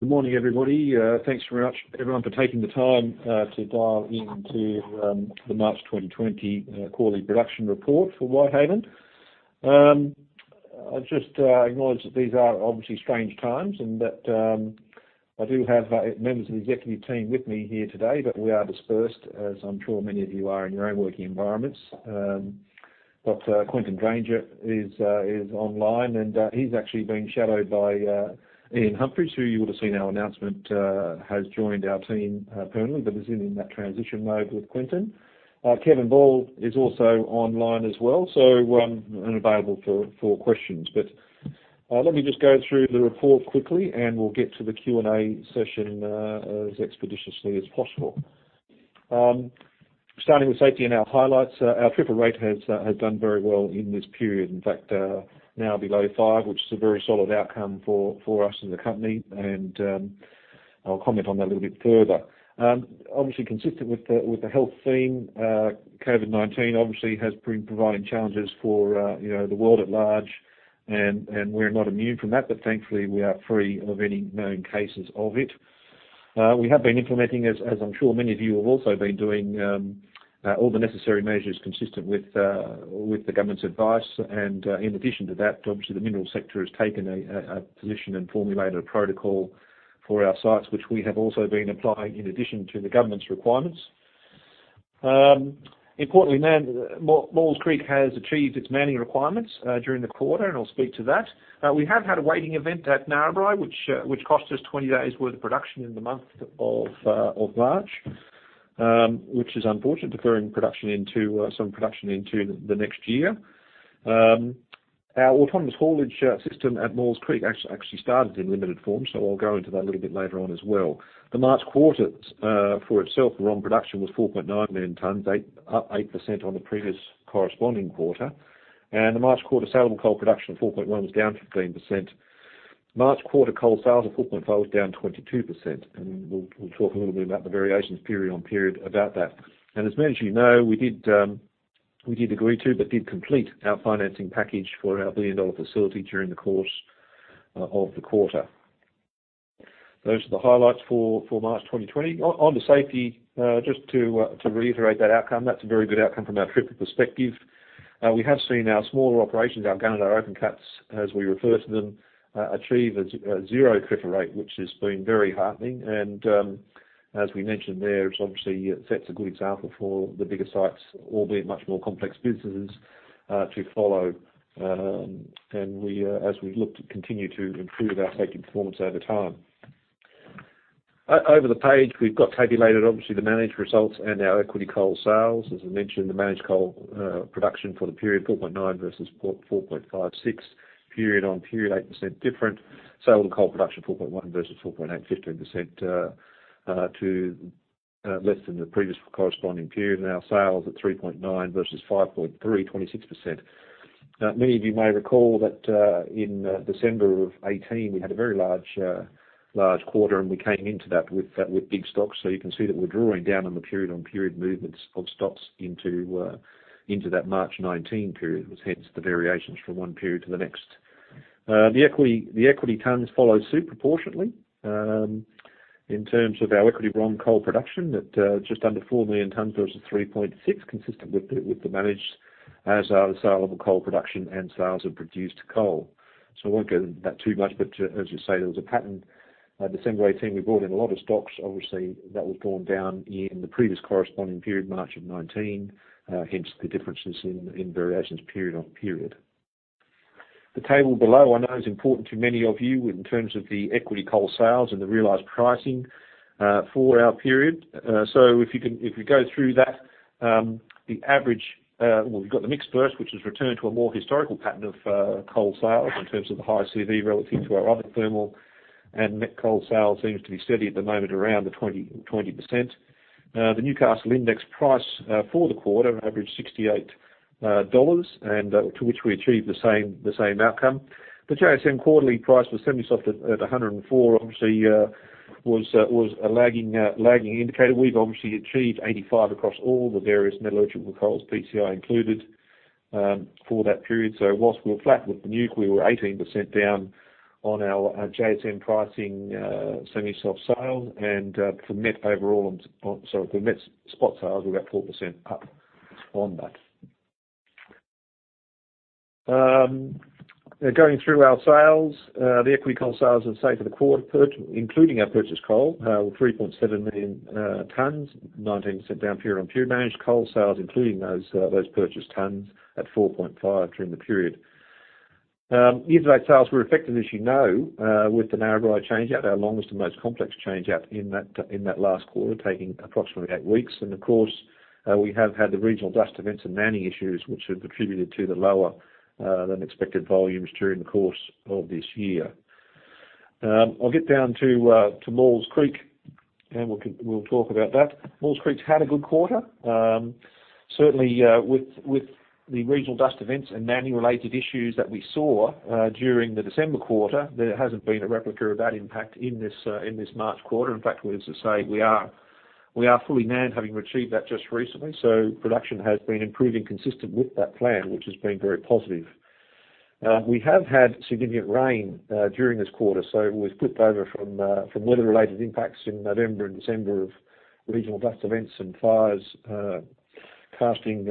Good morning, everybody. Thanks very much, everyone, for taking the time to dial into the March 2020 quarterly production report for Whitehaven. I just acknowledge that these are obviously strange times and that I do have members of the executive team with me here today, but we are dispersed, as I'm sure many of you are in your own working environments. But Quentin Granger is online, and he's actually being shadowed by Ian Humphris, who you would have seen our announcement, has joined our team permanently, but is in that transition mode with Quentin. Kevin Ball is also online as well, so available for questions. But let me just go through the report quickly, and we'll get to the Q&A session as expeditiously as possible. Starting with safety and our highlights, our TRIFR has done very well in this period. In fact, now below five, which is a very solid outcome for us as a company, and I'll comment on that a little bit further. Obviously, consistent with the health theme, COVID-19 obviously has been providing challenges for the world at large, and we're not immune from that, but thankfully we are free of any known cases of it. We have been implementing, as I'm sure many of you have also been doing, all the necessary measures consistent with the government's advice. And in addition to that, obviously the mineral sector has taken a position and formulated a protocol for our sites, which we have also been applying in addition to the government's requirements. Importantly, Maules Creek has achieved its mining requirements during the quarter, and I'll speak to that. We have had a wetting event at Narrabri, which cost us 20 days' worth of production in the month of March, which is unfortunate, deferring production into some production into the next year. Our autonomous haulage system at Maules Creek actually started in limited form, so I'll go into that a little bit later on as well. The March quarter for itself, the ROM production was 4.9 million tons, up 8% on the previous corresponding quarter. And the March quarter saleable coal production of 4.1 was down 15%. March quarter coal sales of 4.5 was down 22%. And we'll talk a little bit about the variations period on period about that. And as many of you know, we did agree to, but did complete our financing package for our 1 billion dollar facility during the course of the quarter. Those are the highlights for March 2020. On the safety, just to reiterate that outcome, that's a very good outcome from our triple perspective. We have seen our smaller operations, our Gunnedah and our open cuts, as we refer to them, achieve a zero TRIFR rate, which has been very heartening, as we mentioned there. It obviously sets a good example for the bigger sites, albeit much more complex businesses to follow, and as we look to continue to improve our safety performance over time. Over the page, we've got tabulated, obviously, the managed results and our equity coal sales. As I mentioned, the managed coal production for the period 4.9 versus 4.56, period on period, 8% different. Saleable coal production 4.1 versus 4.8, 15% less than the previous corresponding period. Our sales at 3.9 versus 5.3, 26%. Many of you may recall that in December of 2018, we had a very large quarter, and we came into that with big stocks. So you can see that we're drawing down on the period on period movements of stocks into that March 2019 period, which hence the variations from one period to the next. The equity tons follow suit proportionately in terms of our equity ROM coal production, that just under 4 million tons versus 3.6, consistent with the managed as our saleable coal production and sales of produced coal. So I won't go into that too much, but as you say, there was a pattern. December 2018, we brought in a lot of stocks. Obviously, that was drawn down in the previous corresponding period, March of 2019, hence the differences in variations period on period. The table below, I know is important to many of you in terms of the export coal sales and the realized pricing for our period. So if you go through that, the average, well, we've got the met PCI, which has returned to a more historical pattern of coal sales in terms of the high CV relative to our other thermal and met coal sales, seems to be steady at the moment around the 20%. The Newcastle index price for the quarter averaged $68, and to which we achieved the same outcome. The JSM quarterly price was semi-soft at $104, obviously was a lagging indicator. We've obviously achieved $85 across all the various metallurgical coals, PCI included for that period. So whilst we were flat with the NEWC, we were 18% down on our JSM pricing semi-soft sales, and for met overall, sorry, for met spot sales, we're about 4% up on that. Going through our sales, the equity coal sales are the same for the quarter, including our purchased coal, with 3.7 million tons, 19% down period on period. Managed coal sales, including those purchased tons at 4.5 during the period. Year-to-date sales were effective, as you know, with the Narrabri changeout, our longest and most complex changeout in that last quarter, taking approximately eight weeks. And of course, we have had the regional dust events and mining issues, which have contributed to the lower than expected volumes during the course of this year. I'll get down to Maules Creek, and we'll talk about that. Maules Creek's had a good quarter. Certainly, with the regional dust events and mining-related issues that we saw during the December quarter, there hasn't been a replica of that impact in this March quarter. In fact, as I say, we are fully mined, having achieved that just recently. So production has been improving consistent with that plan, which has been very positive. We have had significant rain during this quarter, so we've flipped over from weather-related impacts in November and December of regional dust events and fires casting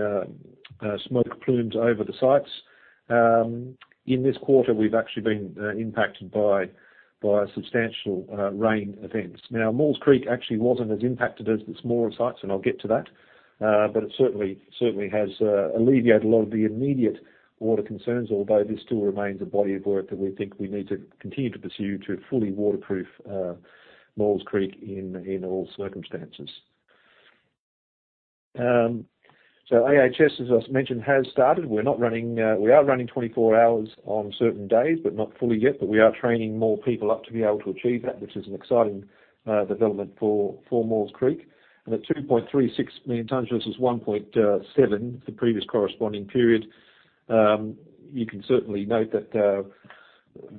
smoke plumes over the sites. In this quarter, we've actually been impacted by substantial rain events. Now, Maules Creek actually wasn't as impacted as the smaller sites, and I'll get to that, but it certainly has alleviated a lot of the immediate water concerns, although this still remains a body of work that we think we need to continue to pursue to fully waterproof Maules Creek in all circumstances. So AHS, as I mentioned, has started. We are running 24 hours on certain days, but not fully yet, but we are training more people up to be able to achieve that, which is an exciting development for Maules Creek. And at 2.36 million tons versus 1.7 for previous corresponding period, you can certainly note that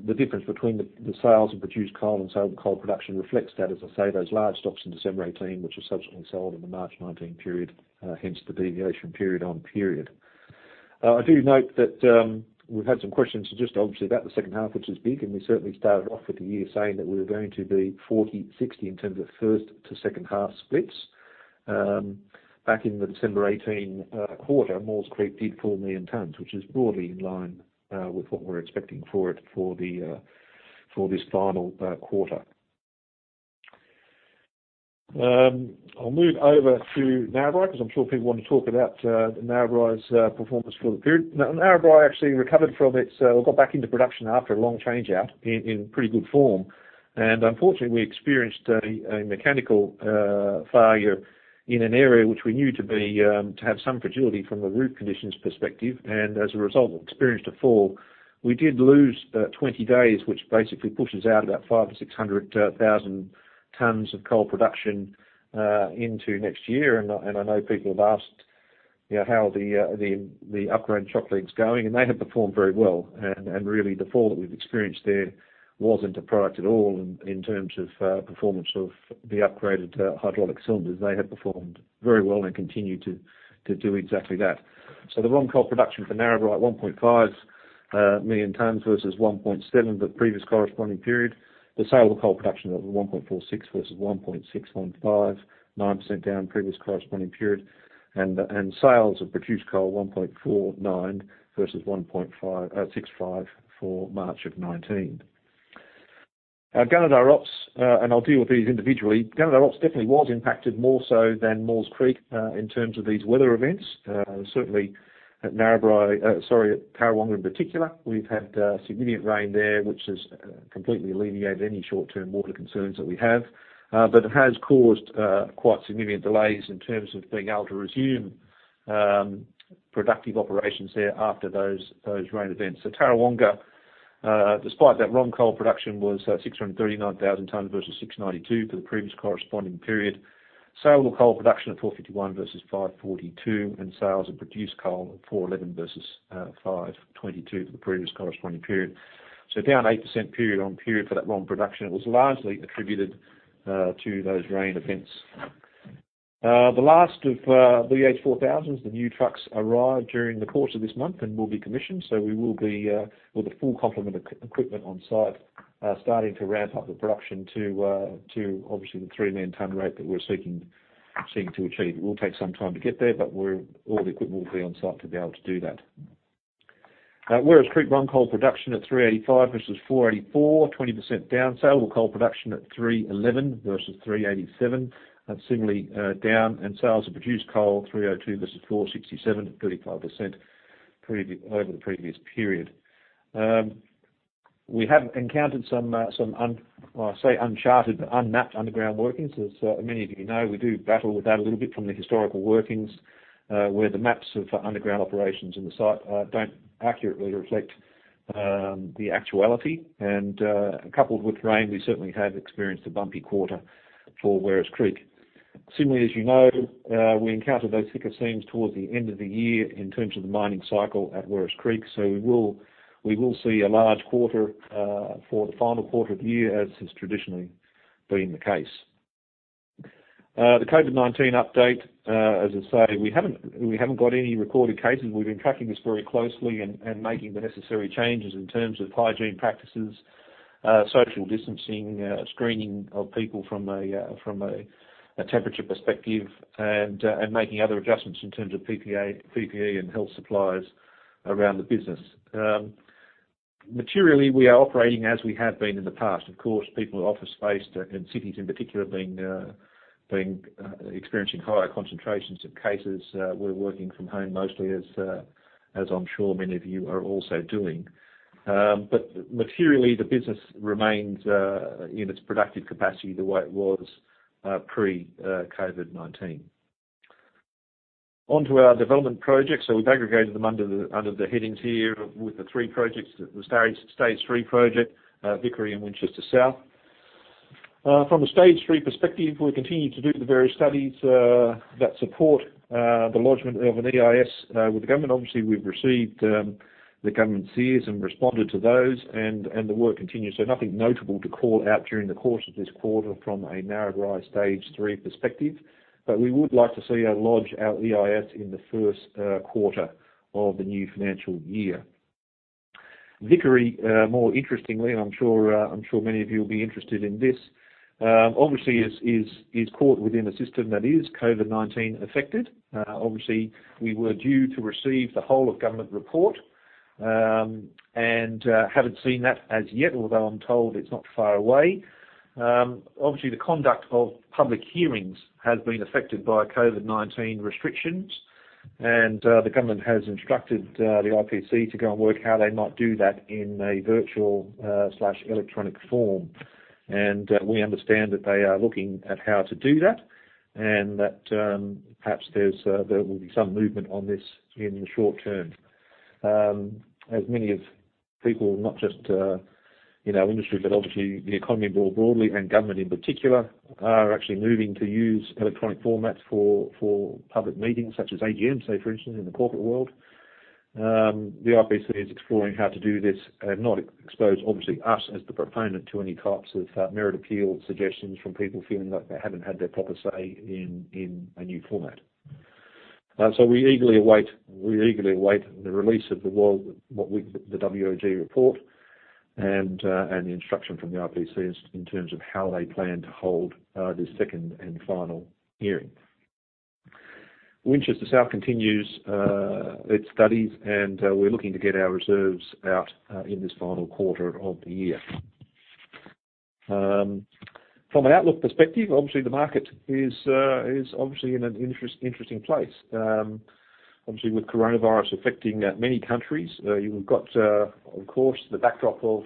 the difference between the sales of produced coal and saleable coal production reflects that, as I say, those large stocks in December 2018, which are subsequently sold in the March 2019 period, hence the deviation period on period. I do note that we've had some questions just obviously about the second half, which is big, and we certainly started off with the year saying that we were going to be 40/60 in terms of first to second half splits. Back in the December 2018 quarter, Maules Creek did 4 million tons, which is broadly in line with what we're expecting for it for this final quarter. I'll move over to Narrabri because I'm sure people want to talk about Narrabri's performance for the period. Narrabri actually recovered from its, or got back into production after a long changeout in pretty good form, and unfortunately, we experienced a mechanical failure in an area which we knew to have some fragility from a roof conditions perspective, and as a result, we experienced a fall. We did lose 20 days, which basically pushes out about 500,000 to 600,000 tons of coal production into next year. I know people have asked how the upgrade chocks are going, and they have performed very well. Really, the fall that we've experienced there wasn't a problem at all in terms of performance of the upgraded hydraulic cylinders. They have performed very well and continue to do exactly that. ROM coal production for Narrabri, 1.5 million tons versus 1.7 for previous corresponding period. The saleable coal production was 1.46 versus 1.615, 9% down previous corresponding period. Sales of produced coal, 1.49 versus 1.65 for March of 2019. Gunnedah, and I'll deal with these individually. Gunnedah definitely was impacted more so than Maules Creek in terms of these weather events. Certainly, at Tarawonga in particular, we've had significant rain there, which has completely alleviated any short-term water concerns that we have, but it has caused quite significant delays in terms of being able to resume productive operations there after those rain events, so Tarawonga, despite that ROM coal production, was 639,000 tons versus 692 for the previous corresponding period. Saleable coal production at 451 versus 542, and sales of produced coal at 411 versus 522 for the previous corresponding period, so down 8% period on period for that ROM production. It was largely attributed to those rain events. The last of the EH4000s, the new trucks arrived during the course of this month and will be commissioned, so we will be with a full complement of equipment on site, starting to ramp up the production to obviously the 3 million-ton rate that we're seeking to achieve. It will take some time to get there, but all the equipment will be on site to be able to do that. Werris Creek ROM coal production at 385 versus 484, 20% down. Saleable coal production at 311 versus 387, similarly down. And sales of produced coal, 302 versus 467, down 35% over the previous period. We have encountered some, I'll say uncharted, but unmapped underground workings. As many of you know, we do battle with that a little bit from the historical workings where the maps of underground operations in the site don't accurately reflect the actuality. And coupled with rain, we certainly have experienced a bumpy quarter for Werris Creek. Similarly, as you know, we encountered those thicker seams towards the end of the year in terms of the mining cycle at Werris Creek. So we will see a large quarter for the final quarter of the year, as has traditionally been the case. The COVID-19 update, as I say, we haven't got any recorded cases. We've been tracking this very closely and making the necessary changes in terms of hygiene practices, social distancing, screening of people from a temperature perspective, and making other adjustments in terms of PPE and health supplies around the business. Materially, we are operating as we have been in the past. Of course, people with office space and cities in particular have been experiencing higher concentrations of cases. We're working from home mostly, as I'm sure many of you are also doing. But materially, the business remains in its productive capacity the way it was pre-COVID-19. Onto our development projects. We've aggregated them under the headings here with the three projects, the Stage Three Project, Vickery, and Winchester South. From a Stage Three perspective, we continue to do the various studies that support the lodgement of an EIS with the government. Obviously, we've received the government's SEARs and responded to those, and the work continues. Nothing notable to call out during the course of this quarter from a Narrabri Stage Three perspective, but we would like to see a lodge the EIS in the first quarter of the new financial year. Vickery, more interestingly, and I'm sure many of you will be interested in this, obviously is caught within a system that is COVID-19 affected. Obviously, we were due to receive the whole of government report and haven't seen that as yet, although I'm told it's not far away. Obviously, the conduct of public hearings has been affected by COVID-19 restrictions, and the government has instructed the IPC to go and work how they might do that in a virtual or electronic form, and we understand that they are looking at how to do that and that perhaps there will be some movement on this in the short term. As many people, not just industry, but obviously the economy more broadly and government in particular, are actually moving to use electronic formats for public meetings, such as AGM, say, for instance, in the corporate world. The IPC is exploring how to do this and not expose, obviously, us as the proponent to any types of merit appeal suggestions from people feeling like they haven't had their proper say in a new format. We eagerly await the release of the WOG report and the instruction from the IPC in terms of how they plan to hold this second and final hearing. Winchester South continues its studies, and we're looking to get our reserves out in this final quarter of the year. From an outlook perspective, obviously, the market is obviously in an interesting place. Obviously, with coronavirus affecting many countries, we've got, of course, the backdrop of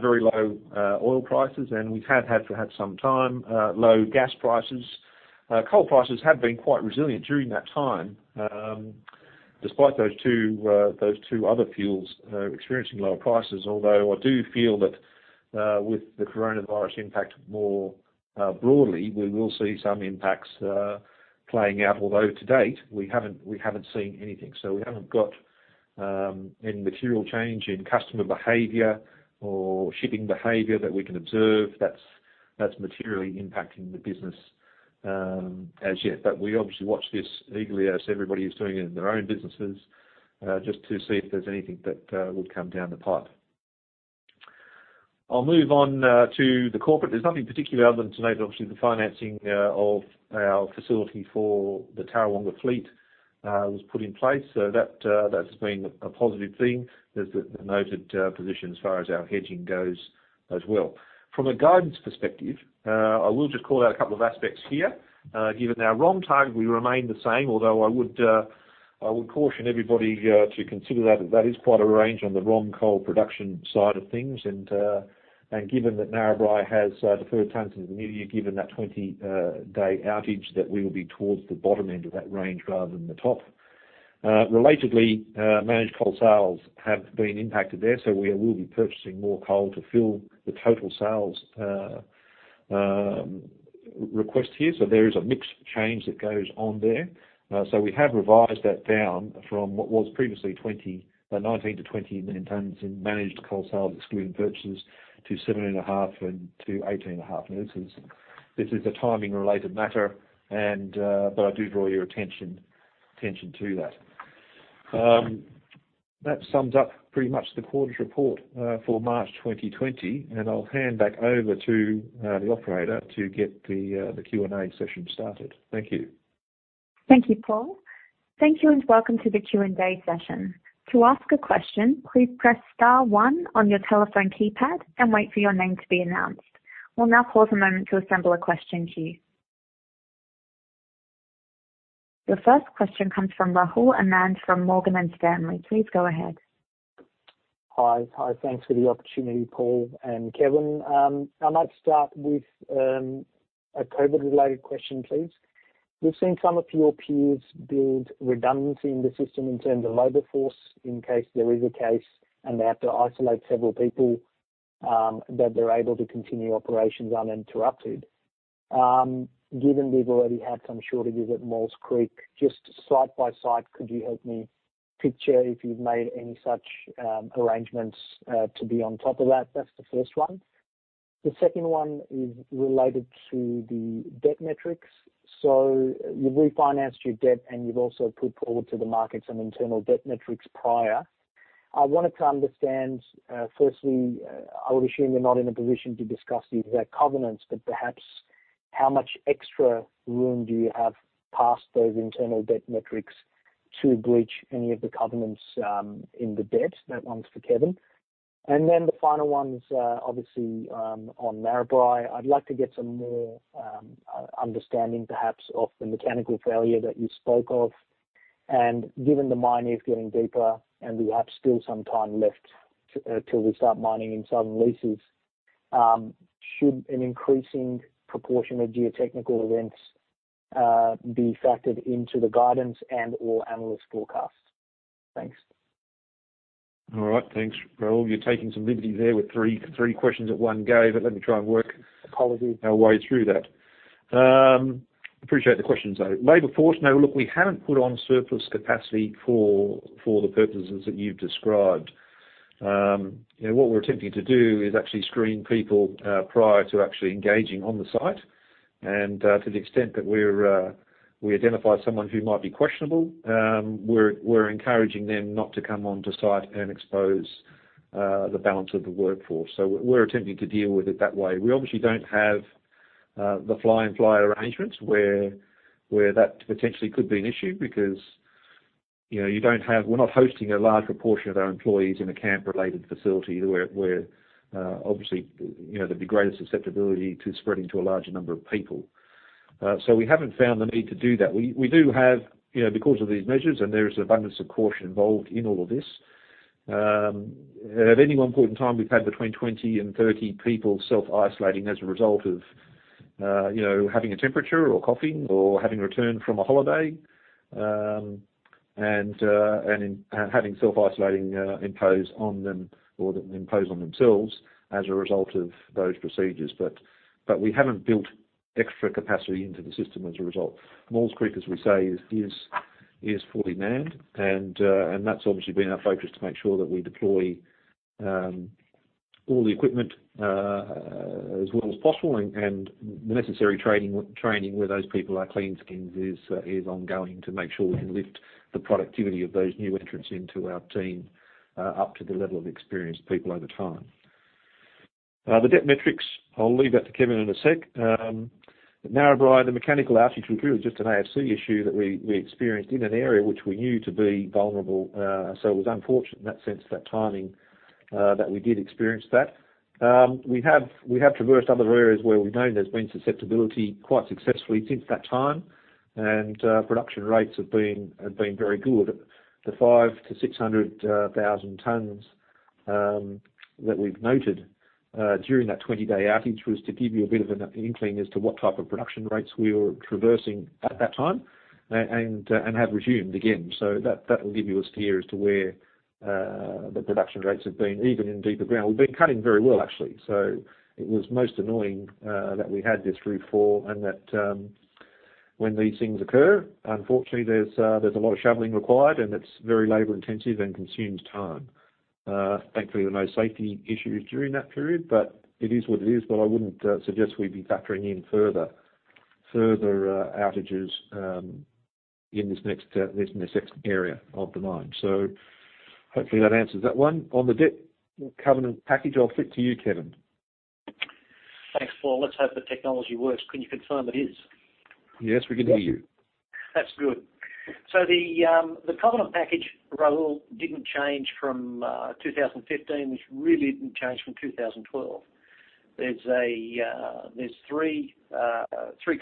very low oil prices, and we've had for some time low gas prices. Coal prices have been quite resilient during that time, despite those two other fuels experiencing lower prices, although I do feel that with the coronavirus impact more broadly, we will see some impacts playing out, although to date, we haven't seen anything. So we haven't got any material change in customer behavior or shipping behavior that we can observe that's materially impacting the business as yet. But we obviously watch this eagerly as everybody is doing it in their own businesses just to see if there's anything that would come down the pipe. I'll move on to the corporate. There's nothing particular other than to note that obviously the financing of our facility for the Tarawonga Fleet was put in place. So that has been a positive thing. There's the noted position as far as our hedging goes as well. From a guidance perspective, I will just call out a couple of aspects here. Given our ROM target, we remain the same, although I would caution everybody to consider that that is quite a range on the ROM coal production side of things. Given that Narrabri has deferred tons into the new year, given that 20-day outage, that we will be towards the bottom end of that range rather than the top. Relatedly, managed coal sales have been impacted there, so we will be purchasing more coal to fill the total sales request here. There is a mixed change that goes on there. We have revised that down from what was previously 19-20 million tons in managed coal sales, excluding purchases, to 7.5-18.5. Now, this is a timing-related matter, but I do draw your attention to that. That sums up pretty much the quarter's report for March 2020, and I'll hand back over to the operator to get the Q&A session started. Thank you. Thank you, Paul. Thank you and welcome to the Q&A session. To ask a question, please press star one on your telephone keypad and wait for your name to be announced. We'll now pause a moment to assemble a question queue. The first question comes from Rahul Anand from Morgan Stanley. Please go ahead. Hi. Hi. Thanks for the opportunity, Paul and Kevin. I might start with a COVID-related question, please. We've seen some of your peers build redundancy in the system in terms of labor force in case there is a case and they have to isolate several people that they're able to continue operations uninterrupted. Given we've already had some shortages at Maules Creek, just site by site, could you help me picture if you've made any such arrangements to be on top of that? That's the first one. The second one is related to the debt metrics. So you've refinanced your debt, and you've also put forward to the market some internal debt metrics prior. I wanted to understand, firstly, I would assume you're not in a position to discuss the exact covenants, but perhaps how much extra room do you have past those internal debt metrics to breach any of the covenants in the debt? That one's for Kevin. Then the final one's obviously on Narrabri. I'd like to get some more understanding perhaps of the mechanical failure that you spoke of. Given the mine is getting deeper and we have still some time left till we start mining in southern leases, should an increasing proportion of geotechnical events be factored into the guidance and/or analyst forecasts? Thanks. All right. Thanks, Rahul. You're taking some liberties there with three questions at one go, but let me try and work our way through that. Appreciate the questions, though. Labor force? No, look, we haven't put on surplus capacity for the purposes that you've described. What we're attempting to do is actually screen people prior to actually engaging on the site. And to the extent that we identify someone who might be questionable, we're encouraging them not to come on to site and expose the balance of the workforce. So we're attempting to deal with it that way. We obviously don't have the fly-in fly-out arrangements where that potentially could be an issue because we're not hosting a large proportion of our employees in a camp-related facility where obviously there'd be greater susceptibility to spreading to a larger number of people. So we haven't found the need to do that. We do have, because of these measures, and there is an abundance of caution involved in all of this. At any one point in time, we've had between 20 and 30 people self-isolating as a result of having a temperature or coughing or having returned from a holiday and having self-isolating impose on them or impose on themselves as a result of those procedures. But we haven't built extra capacity into the system as a result. Maules Creek, as we say, is fully manned, and that's obviously been our focus to make sure that we deploy all the equipment as well as possible. And the necessary training where those people are clean skins is ongoing to make sure we can lift the productivity of those new entrants into our team up to the level of experienced people over time. The debt metrics, I'll leave that to Kevin in a sec. Narrabri, the mechanical outage was really just an AFC issue that we experienced in an area which we knew to be vulnerable. So it was unfortunate in that sense that timing that we did experience that. We have traversed other areas where we've known there's been susceptibility quite successfully since that time, and production rates have been very good. The 500,000 to 600,000 tons that we've noted during that 20-day outage was to give you a bit of an inkling as to what type of production rates we were traversing at that time and have resumed again. So that will give you a steer as to where the production rates have been, even in deeper ground. We've been cutting very well, actually. So it was most annoying that we had this through fall and that when these things occur, unfortunately, there's a lot of shoveling required, and it's very labor-intensive and consumes time. Thankfully, there were no safety issues during that period, but it is what it is. But I wouldn't suggest we'd be factoring in further outages in this next area of the mine. So hopefully, that answers that one. On the debt covenant package, I'll flip to you, Kevin. Thanks, Paul. Let's hope the technology works. Can you confirm it is? Yes, we can hear you. That's good. So the covenant package, Rahul, didn't change from 2015, which really didn't change from 2012. There's three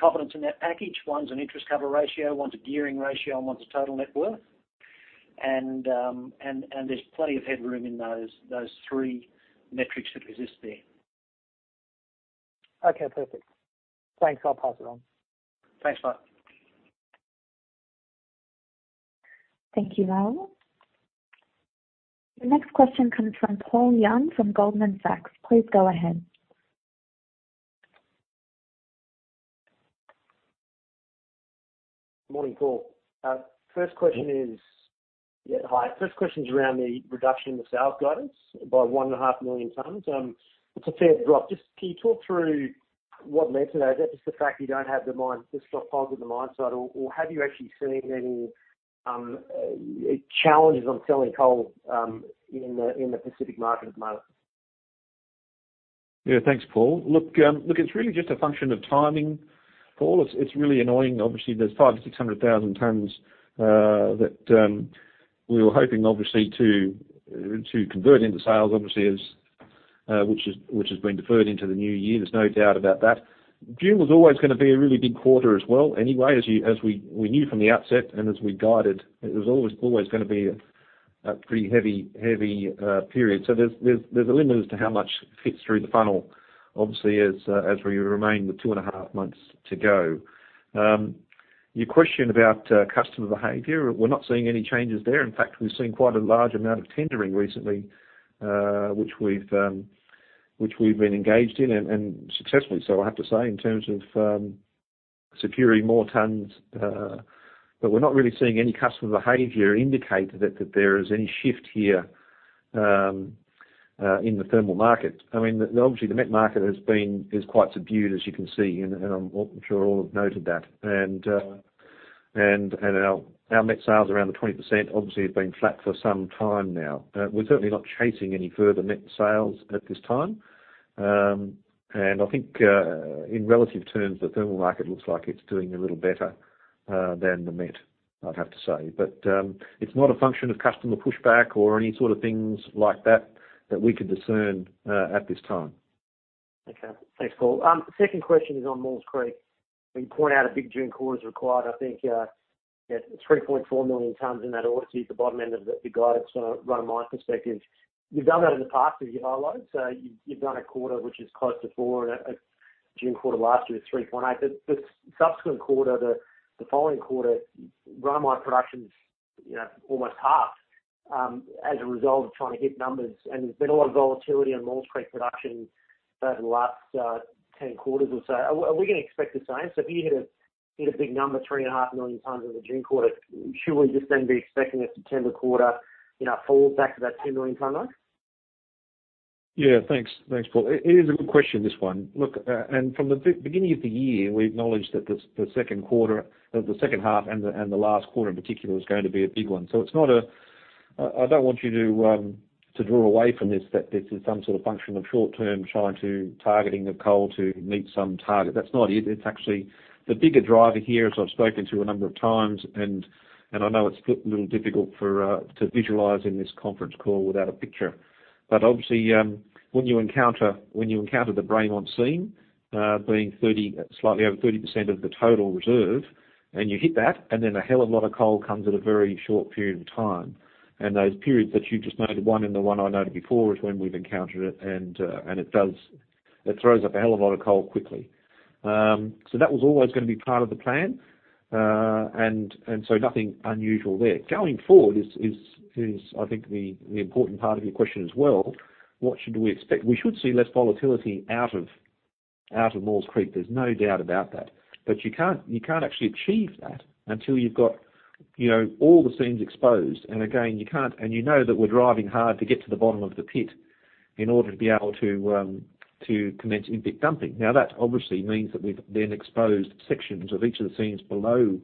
covenants in that package. One's an interest cover ratio, one's a gearing ratio, and one's a total net worth. And there's plenty of headroom in those three metrics that exist there. Okay. Perfect. Thanks. I'll pass it on. Thanks, [mate]. Thank you, Rahul. The next question comes from Paul Young from Goldman Sachs. Please go ahead. Morning, Paul. First question is around the reduction in the sales guidance by 1.5 million tons. It's a fair drop. Just can you talk through what led to that? Is it just the fact you don't have the positive mindset, or have you actually seen any challenges on selling coal in the Pacific market at the moment? Yeah. Thanks, Paul. Look, it's really just a function of timing, Paul. It's really annoying. Obviously, there's 5-600,000 tons that we were hoping, obviously, to convert into sales, obviously, which has been deferred into the new year. There's no doubt about that. June was always going to be a really big quarter as well anyway, as we knew from the outset and as we guided. It was always going to be a pretty heavy period. So there's a limit as to how much fits through the funnel, obviously, as we remain with two and a half months to go. Your question about customer behavior, we're not seeing any changes there. In fact, we've seen quite a large amount of tendering recently, which we've been engaged in and successfully, so I have to say, in terms of securing more tons. But we're not really seeing any customer behavior indicate that there is any shift here in the thermal market. I mean, obviously, the met market has been quite subdued, as you can see, and I'm sure all have noted that, and our met sales around the 20%, obviously, have been flat for some time now. We're certainly not chasing any further met sales at this time, and I think in relative terms, the thermal market looks like it's doing a little better than the met, I'd have to say, but it's not a function of customer pushback or any sort of things like that that we could discern at this time. Okay. Thanks, Paul. Second question is on Maules Creek. You point out a big June quarter's required. I think it's 3.4 million tons in that order to hit the bottom end of the guidance, run-of-mine perspective. You've done that in the past, as you highlighted. So you've done a quarter which is close to 4, and June quarter last year was 3.8. But the subsequent quarter, the following quarter, run-of-mine production's almost halved as a result of trying to hit numbers. And there's been a lot of volatility on Maules Creek production over the last 10 quarters or so. Are we going to expect the same? So if you hit a big number, 3.5 million tons in the June quarter, should we just then be expecting a September quarter where it falls back to that 2 million-ton range? Yeah. Thanks, Paul. It is a good question, this one. Look, and from the beginning of the year, we acknowledged that the second quarter, the second half, and the last quarter in particular was going to be a big one. So it's not a I don't want you to draw away from this that this is some sort of function of short-term targeting of coal to meet some target. That's not it. It's actually the bigger driver here, as I've spoken to a number of times, and I know it's a little difficult to visualize in this conference call without a picture. But obviously, when you encounter the Braymont Seam being slightly over 30% of the total reserve, and you hit that, and then a hell of a lot of coal comes at a very short period of time. Those periods that you've just noted, one and the one I noted before, is when we've encountered it, and it throws up a hell of a lot of coal quickly. So that was always going to be part of the plan, and so nothing unusual there. Going forward is, I think, the important part of your question as well. What should we expect? We should see less volatility out of Maules Creek. There's no doubt about that. But you can't actually achieve that until you've got all the seams exposed. And again, you can't, and you know that we're driving hard to get to the bottom of the pit in order to be able to commence in-pit dumping. Now, that obviously means that we've then exposed sections of each of the seams below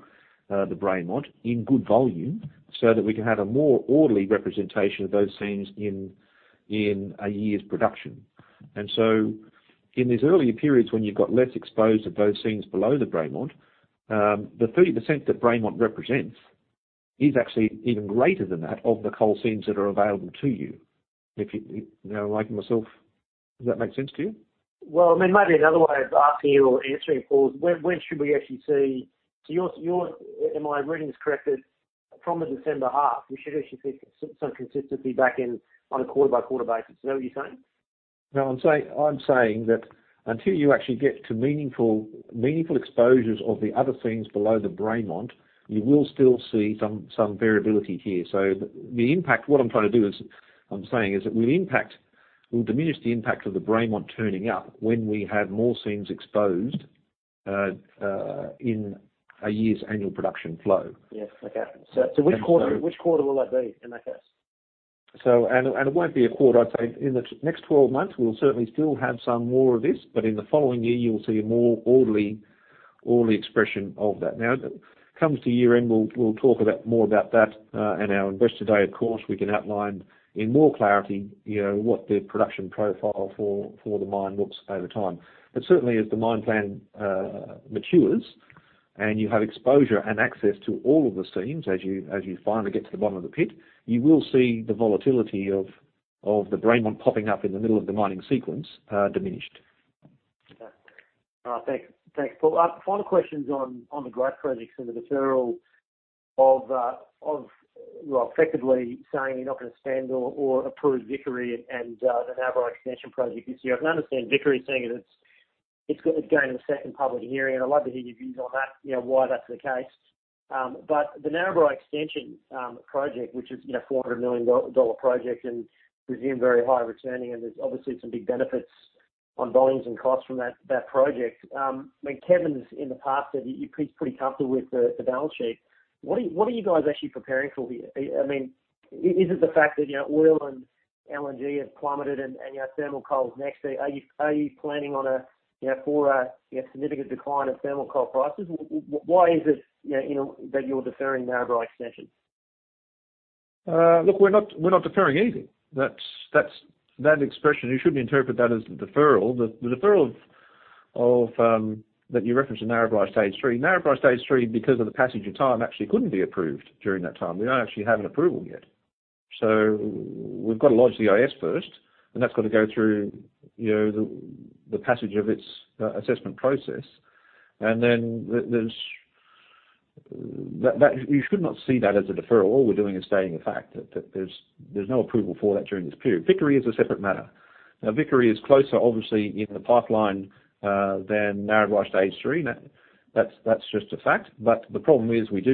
the Braymont in good volume so that we can have a more orderly representation of those seams in a year's production. And so in these earlier periods when you've got less exposed of those seams below the Braymont, the 30% that Braymont represents is actually even greater than that of the coal seams that are available to you. Now, I'm talking to myself. Does that make sense to you? Well, I mean, maybe another way of asking you or answering Paul is, when should we actually see? Am I reading this correctly? From the December half, we should actually see some consistency back on a quarter-by-quarter basis. Is that what you're saying? No, I'm saying that until you actually get to meaningful exposures of the other seams below the Braymont, you will still see some variability here. So the impact what I'm trying to do is I'm saying is it will diminish the impact of the Braymont turning up when we have more seams exposed in a year's annual production flow. Yes. Okay. So which quarter will that be in that case? It won't be a quarter. I'd say in the next 12 months, we'll certainly still have some more of this, but in the following year, you'll see a more orderly expression of that. Now, when it comes to year-end, we'll talk more about that. Our investor day, of course, we can outline in more clarity what the production profile for the mine looks like over time. Certainly, as the mine plan matures and you have exposure and access to all of the seams as you finally get to the bottom of the pit, you will see the volatility of the Braymont popping up in the middle of the mining sequence diminished. Okay. All right. Thanks, Paul. Final questions on the growth projects and the deferral of effectively saying you're not going to spend or approve Vickery and the Narrabri Extension project this year. I can understand Vickery saying that it's going to the second public hearing, and I'd love to hear your views on that, why that's the case, but the Narrabri Extension project, which is a 400 million dollar project and presumed very high returning, and there's obviously some big benefits on volumes and costs from that project. I mean, Kevin's in the past said he's pretty comfortable with the balance sheet. What are you guys actually preparing for here? I mean, is it the fact that oil and LNG have plummeted and you have thermal coals next? Are you planning on a significant decline in thermal coal prices? Why is it that you're deferring Narrabri Extension? Look, we're not deferring anything. That expression, you shouldn't interpret that as the deferral. The deferral that you reference in Narrabri Stage Three, Narrabri Stage Three, because of the passage of time, actually couldn't be approved during that time. We don't actually have an approval yet. So we've got to lodge the EIS first, and that's got to go through the passage of its assessment process. And then you should not see that as a deferral. All we're doing is stating a fact that there's no approval for that during this period. Vickery is a separate matter. Now, Vickery is closer, obviously, in the pipeline than Narrabri Stage Three. That's just a fact. But the problem is we've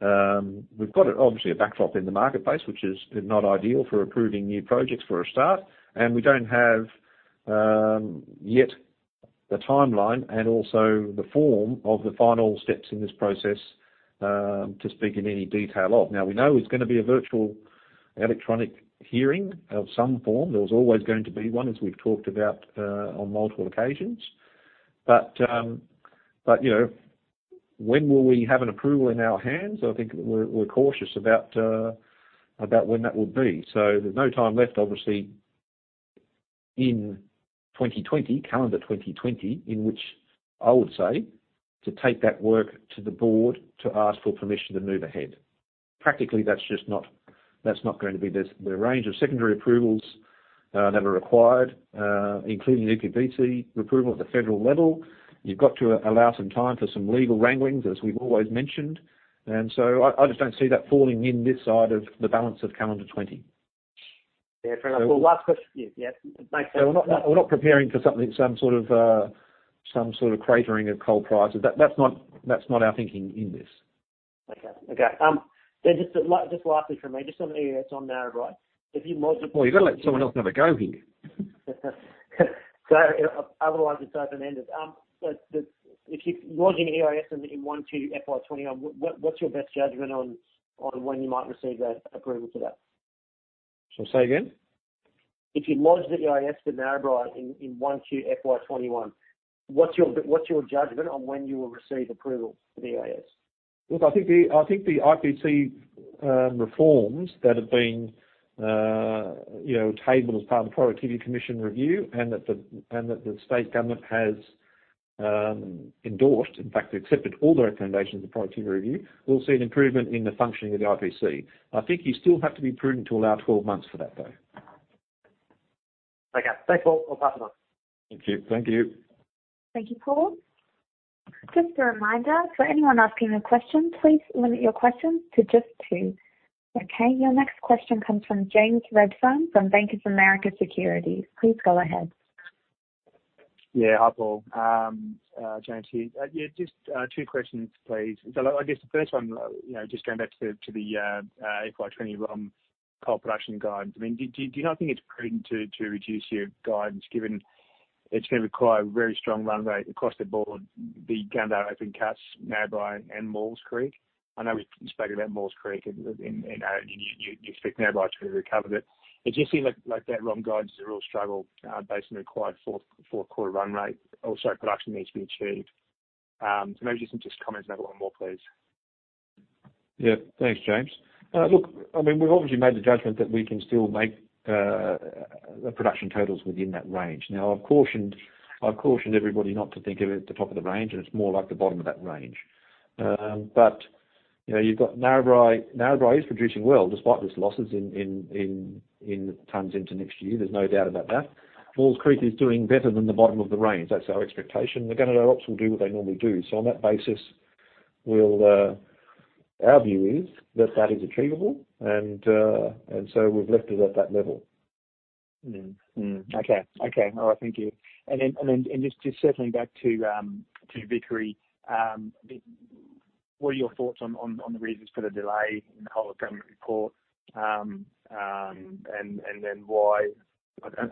got obviously a backdrop in the marketplace, which is not ideal for approving new projects for a start. And we don't have yet the timeline and also the form of the final steps in this process to speak in any detail of. Now, we know it's going to be a virtual electronic hearing of some form. There was always going to be one, as we've talked about on multiple occasions. But when will we have an approval in our hands? I think we're cautious about when that would be. So there's no time left, obviously, in 2020, calendar 2020, in which I would say to take that work to the board to ask for permission to move ahead. Practically, that's just not going to be there. The range of secondary approvals that are required, including EPBC approval at the federal level, you've got to allow some time for some legal wranglings, as we've always mentioned. And so I just don't see that falling in this side of the balance of calendar 2020. Yeah. Fair enough, Paul. Last question for you. Yeah. It makes sense. So we're not preparing for some sort of cratering of coal prices. That's not our thinking in this. Okay. Then just lastly from me, just something that's on Narrabri. If you lodge a. You've got to let someone else have a go here. So otherwise, it's open-ended. If you're lodging an EIS in 1QFY21, what's your best judgment on when you might receive that approval for that? So say again? If you lodge the EIS to Narrabri in 1QF1QFY21Y21, what's your judgment on when you will receive approval for the EIS? Look, I think the IPC reforms that have been tabled as part of the Productivity Commission review and that the state government has endorsed, in fact, accepted all the recommendations of the Productivity Review, we'll see an improvement in the functioning of the IPC. I think you still have to be prudent to allow 12 months for that, though. Okay. Thanks, Paul. We'll pass it on. Thank you. Thank you. Thank you, Paul. Just a reminder, for anyone asking a question, please limit your questions to just two. Okay? Your next question comes from James Redfern from Bank of America Securities. Please go ahead. Yeah. Hi, Paul. James here. Yeah. Just two questions, please. I guess the first one, just going back to the FY21 coal production guidance, I mean, do you not think it's prudent to reduce your guidance given it's going to require a very strong run rate across the board, beyond our open cuts, Narrabri and Maules Creek? I know we spoke about Maules Creek in our review. You expect Narrabri to recover that. It just seems like that run guidance is a real struggle based on the required fourth quarter run rate. Also, production needs to be achieved. So maybe just some comments on that one more, please. Yeah. Thanks, James. Look, I mean, we've obviously made the judgment that we can still make the production totals within that range. Now, I've cautioned everybody not to think of it at the top of the range, and it's more like the bottom of that range. But you've got Narrabri is producing well despite these losses in the meantime into next year. There's no doubt about that. Maules Creek is doing better than the bottom of the range. That's our expectation. The Gunnedah ops will do what they normally do. So on that basis, our view is that that is achievable, and so we've left it at that level. Okay. Okay. All right. Thank you. And then just circling back to Vickery, what are your thoughts on the reasons for the delay in the whole of government report and then why?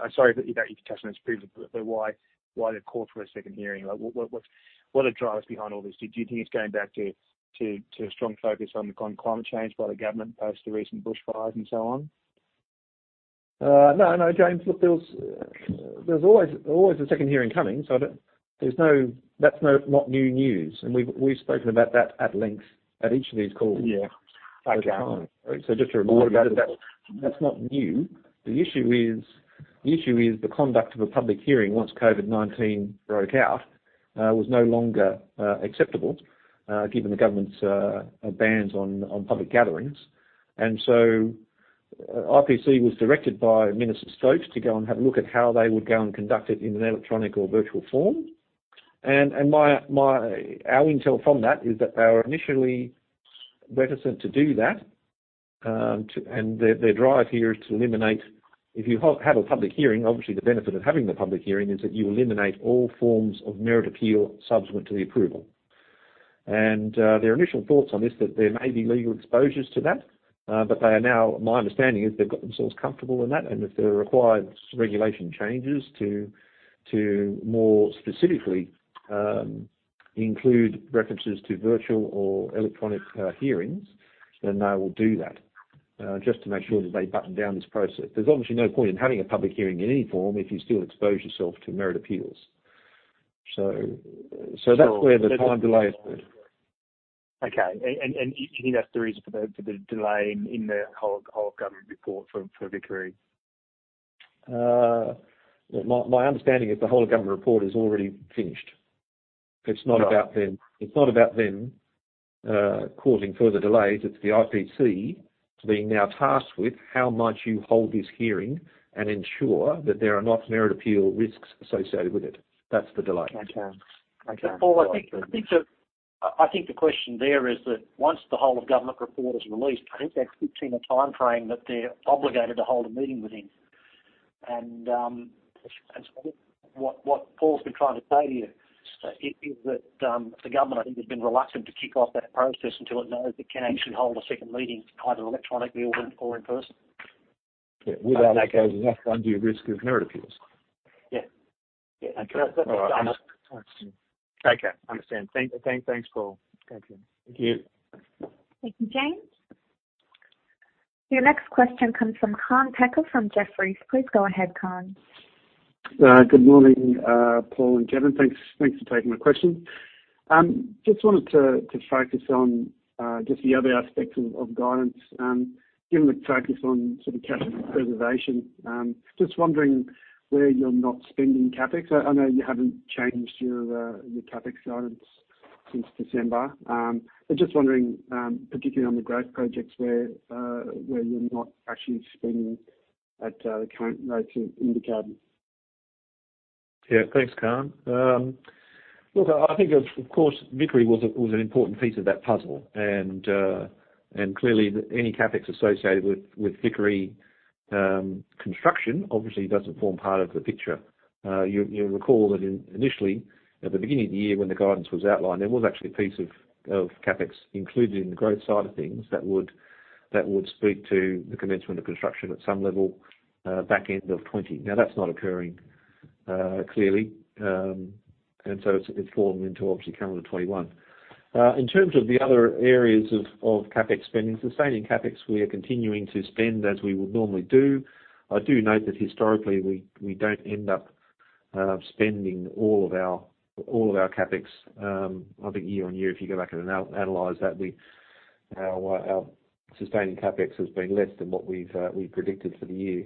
I'm sorry if you touched on this previously, but why the court for a second hearing? What are the drivers behind all this? Do you think it's going back to a strong focus on climate change by the government post the recent bushfires and so on? No, no, James. Look, there's always a second hearing coming, so that's not new news, and we've spoken about that at length at each of these calls over time, so just a reminder that that's not new. The issue is the conduct of a public hearing once COVID-19 broke out was no longer acceptable given the government's bans on public gatherings, and so IPC was directed by Minister Stokes to go and have a look at how they would go and conduct it in an electronic or virtual form, and our intel from that is that they were initially reticent to do that, and their drive here is to eliminate if you have a public hearing, obviously, the benefit of having the public hearing is that you eliminate all forms of merit appeal subsequent to the approval. And their initial thoughts on this, that there may be legal exposures to that, but they are now, my understanding is, they've got themselves comfortable in that. And if the required regulation changes to more specifically include references to virtual or electronic hearings, then they will do that just to make sure that they button down this process. There's obviously no point in having a public hearing in any form if you still expose yourself to merit appeals. So that's where the time delay is put. Okay, and you think that's the reason for the delay in the Whole of Government report for Vickery? My understanding is the Whole of Government report is already finished. It's not about them causing further delays. It's the IPC being now tasked with how might you hold this hearing and ensure that there are not merit appeal risks associated with it. That's the delay. Okay. Okay. Paul, I think the question there is that once the whole of government report is released, I think they've set a timeframe that they're obligated to hold a meeting with him. And what Paul's been trying to say to you is that the government, I think, has been reluctant to kick off that process until it knows it can actually hold a second meeting, either electronically or in person. Without it goes left under your risk of merit appeals. Yeah. Yeah. That's what I'm asking. Okay. Understand. Thanks, Paul. Thank you. Thank you. Thank you, James. Your next question comes from Kaan Peker from Jefferies. Please go ahead, Kaan. Good morning, Paul and Kevin. Thanks for taking my question. Just wanted to focus on just the other aspects of guidance. Given the focus on sort of capital preservation, just wondering where you're not spending CapEx. I know you haven't changed your CapEx guidance since December, but just wondering, particularly on the growth projects, where you're not actually spending at the current rates of inflation. Yeah. Thanks, Kaan. Look, I think, of course, Vickery was an important piece of that puzzle. And clearly, any CapEx associated with Vickery construction obviously doesn't form part of the picture. You'll recall that initially, at the beginning of the year when the guidance was outlined, there was actually a piece of CapEx included in the growth side of things that would speak to the commencement of construction at some level back end of 2020. Now, that's not occurring clearly, and so it's fallen into obviously calendar 2021. In terms of the other areas of CapEx spending, sustaining CapEx, we are continuing to spend as we would normally do. I do note that historically, we don't end up spending all of our CapEx. I think year-on-year, if you go back and analyze that, our sustaining CapEx has been less than what we've predicted for the year.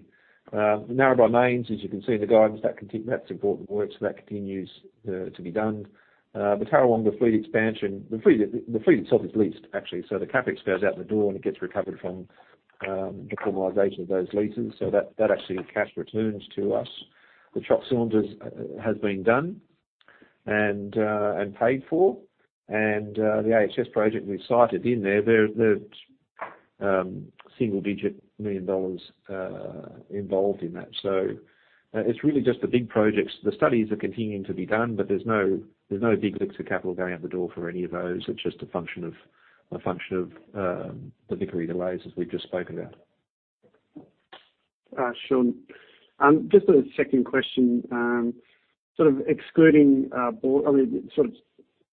Narrabri Mines, as you can see in the guidance, that's important work, so that continues to be done. The Tarawonga fleet expansion, the fleet itself is leased, actually. So the CapEx goes out the door, and it gets recovered from the formalization of those leases. So that actually cash returns to us. The chock cylinders has been done and paid for. And the AHS project we've cited in there, there's single-digit million dollars involved in that. So it's really just the big projects. The studies are continuing to be done, but there's no big licks of capital going out the door for any of those. It's just a function of the Vickery delays, as we've just spoken about. Sure. Just a second question. Sort of excluding board, I mean, sort of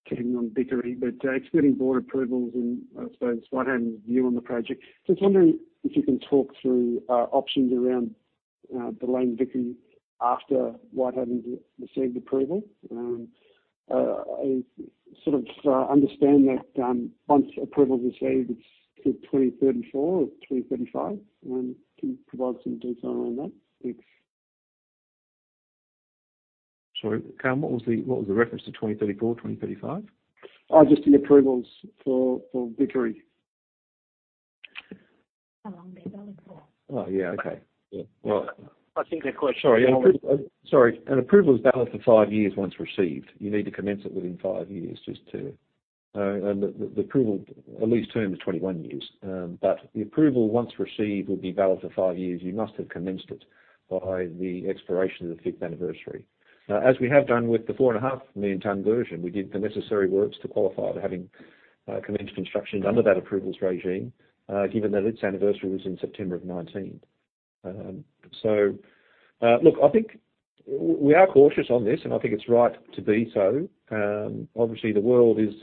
ticking on Vickery, but excluding board approvals and, I suppose, Whitehaven's view on the project, just wondering if you can talk through options around delaying Vickery after Whitehaven's received approval. I sort of understand that once approval's received, it's for 2034 or 2035. Can you provide some detail around that? Thanks. Sorry. Kaan, what was the reference to 2034, 2035? Oh, just the approvals for Vickery. How long are they valid for? Oh, yeah. Okay. Yeah. Well. I think that question was. Sorry. An approval is valid for five years once received. You need to commence it within five years just to and the approval, at least term, is 21 years. But the approval once received would be valid for five years. You must have commenced it by the expiration of the fifth anniversary. Now, as we have done with the 4.5 million ton version, we did the necessary works to qualify for having commenced construction under that approvals regime, given that its anniversary was in September of 2019. So look, I think we are cautious on this, and I think it's right to be so. Obviously, the world is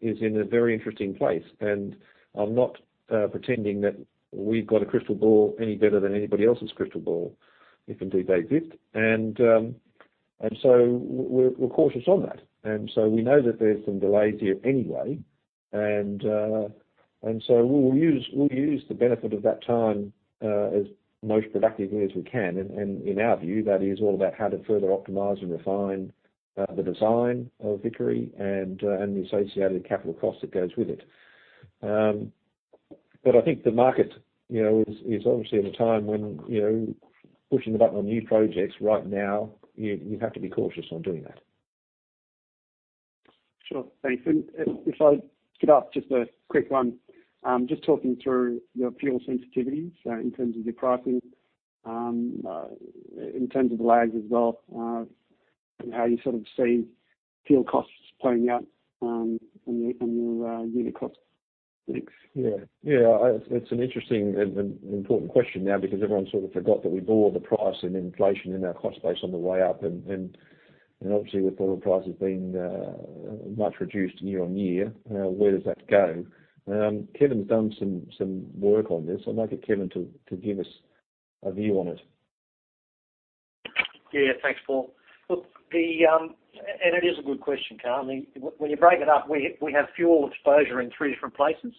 in a very interesting place, and I'm not pretending that we've got a crystal ball any better than anybody else's crystal ball, if indeed they've lived. And so we're cautious on that. We know that there's some delays here anyway. We'll use the benefit of that time as most productively as we can. In our view, that is all about how to further optimize and refine the design of Vickery and the associated capital cost that goes with it. I think the market is obviously at a time when pushing the button on new projects right now, you have to be cautious on doing that. Sure. Thanks. And if I could ask just a quick one, just talking through your fuel sensitivities in terms of your pricing, in terms of the lags as well, and how you sort of see fuel costs playing out and your unit costs? Thanks. Yeah. Yeah. It's an interesting and important question now because everyone sort of forgot that we bore the price and inflation in our cost base on the way up. And obviously, with oil prices being much reduced year-on-year, where does that go? Kevin's done some work on this. I'd like Kevin to give us a view on it. Yeah. Thanks, Paul. Look, and it is a good question, Kaan. When you break it up, we have fuel exposure in three different places.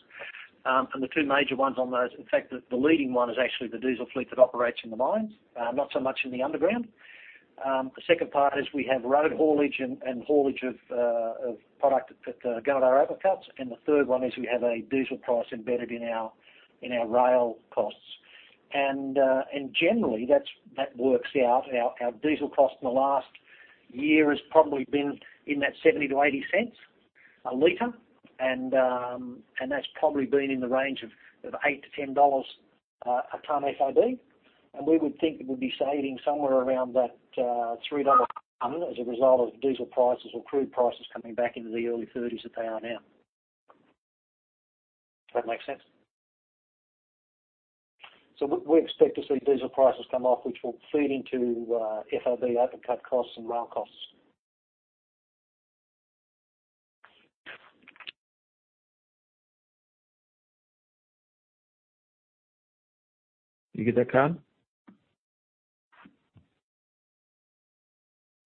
And the two major ones on those, in fact, the leading one is actually the diesel fleet that operates in the mines, not so much in the underground. The second part is we have road haulage and haulage of product at Gunnedah open cuts. And the third one is we have a diesel price embedded in our rail costs. And generally, that works out. Our diesel cost in the last year has probably been in that 0.70-0.80 a liter, and that's probably been in the range of 8-10 dollars a ton FOB. We would think that we'd be saving somewhere around that $3 a ton as a result of diesel prices or crude prices coming back into the early 30s that they are now. Does that make sense? We expect to see diesel prices come off, which will feed into FOB open cut costs and rail costs. You get that, Kaan?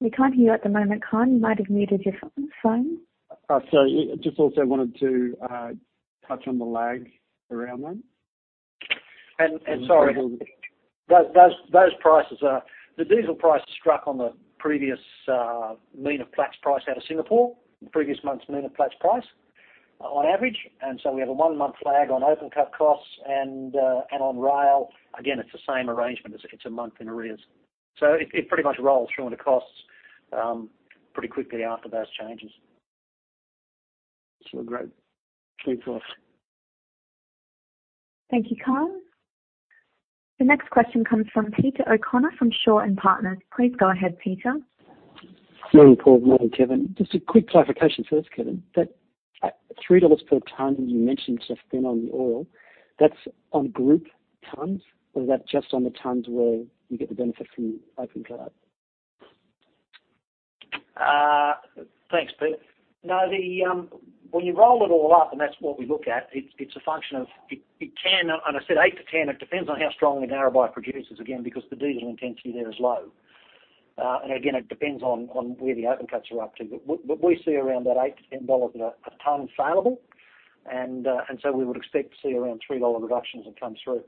We can't hear you at the moment, Kaan. You might have muted your phone. Sorry. Just also wanted to touch on the lag around that. Sorry, those prices are the diesel price struck on the previous mean of Platts price out of Singapore, the previous month's mean of Platts price on average. So we have a one-month lag on open cut costs and on rail. Again, it's the same arrangement. It's a month in arrears. So it pretty much rolls through into costs pretty quickly after those changes. That's all great. Thanks, [Paul]. Thank you, Kaan. The next question comes from Peter O'Connor from Shaw and Partners. Please go ahead, Peter. Morning, Paul. Morning, Kevin. Just a quick clarification first, Kevin. That $3 per ton you mentioned has been on the whole. That's on group tons, or is that just on the tons where you get the benefit from open cut? Thanks, Peter. No, when you roll it all up, and that's what we look at, it's a function of it can, and I said 8-10, it depends on how strongly Gunnedah produces again because the diesel intensity there is low. And again, it depends on where the open cuts are up to. But we see around that $8-$10 a ton feasible. And so we would expect to see around $3 reductions that come through.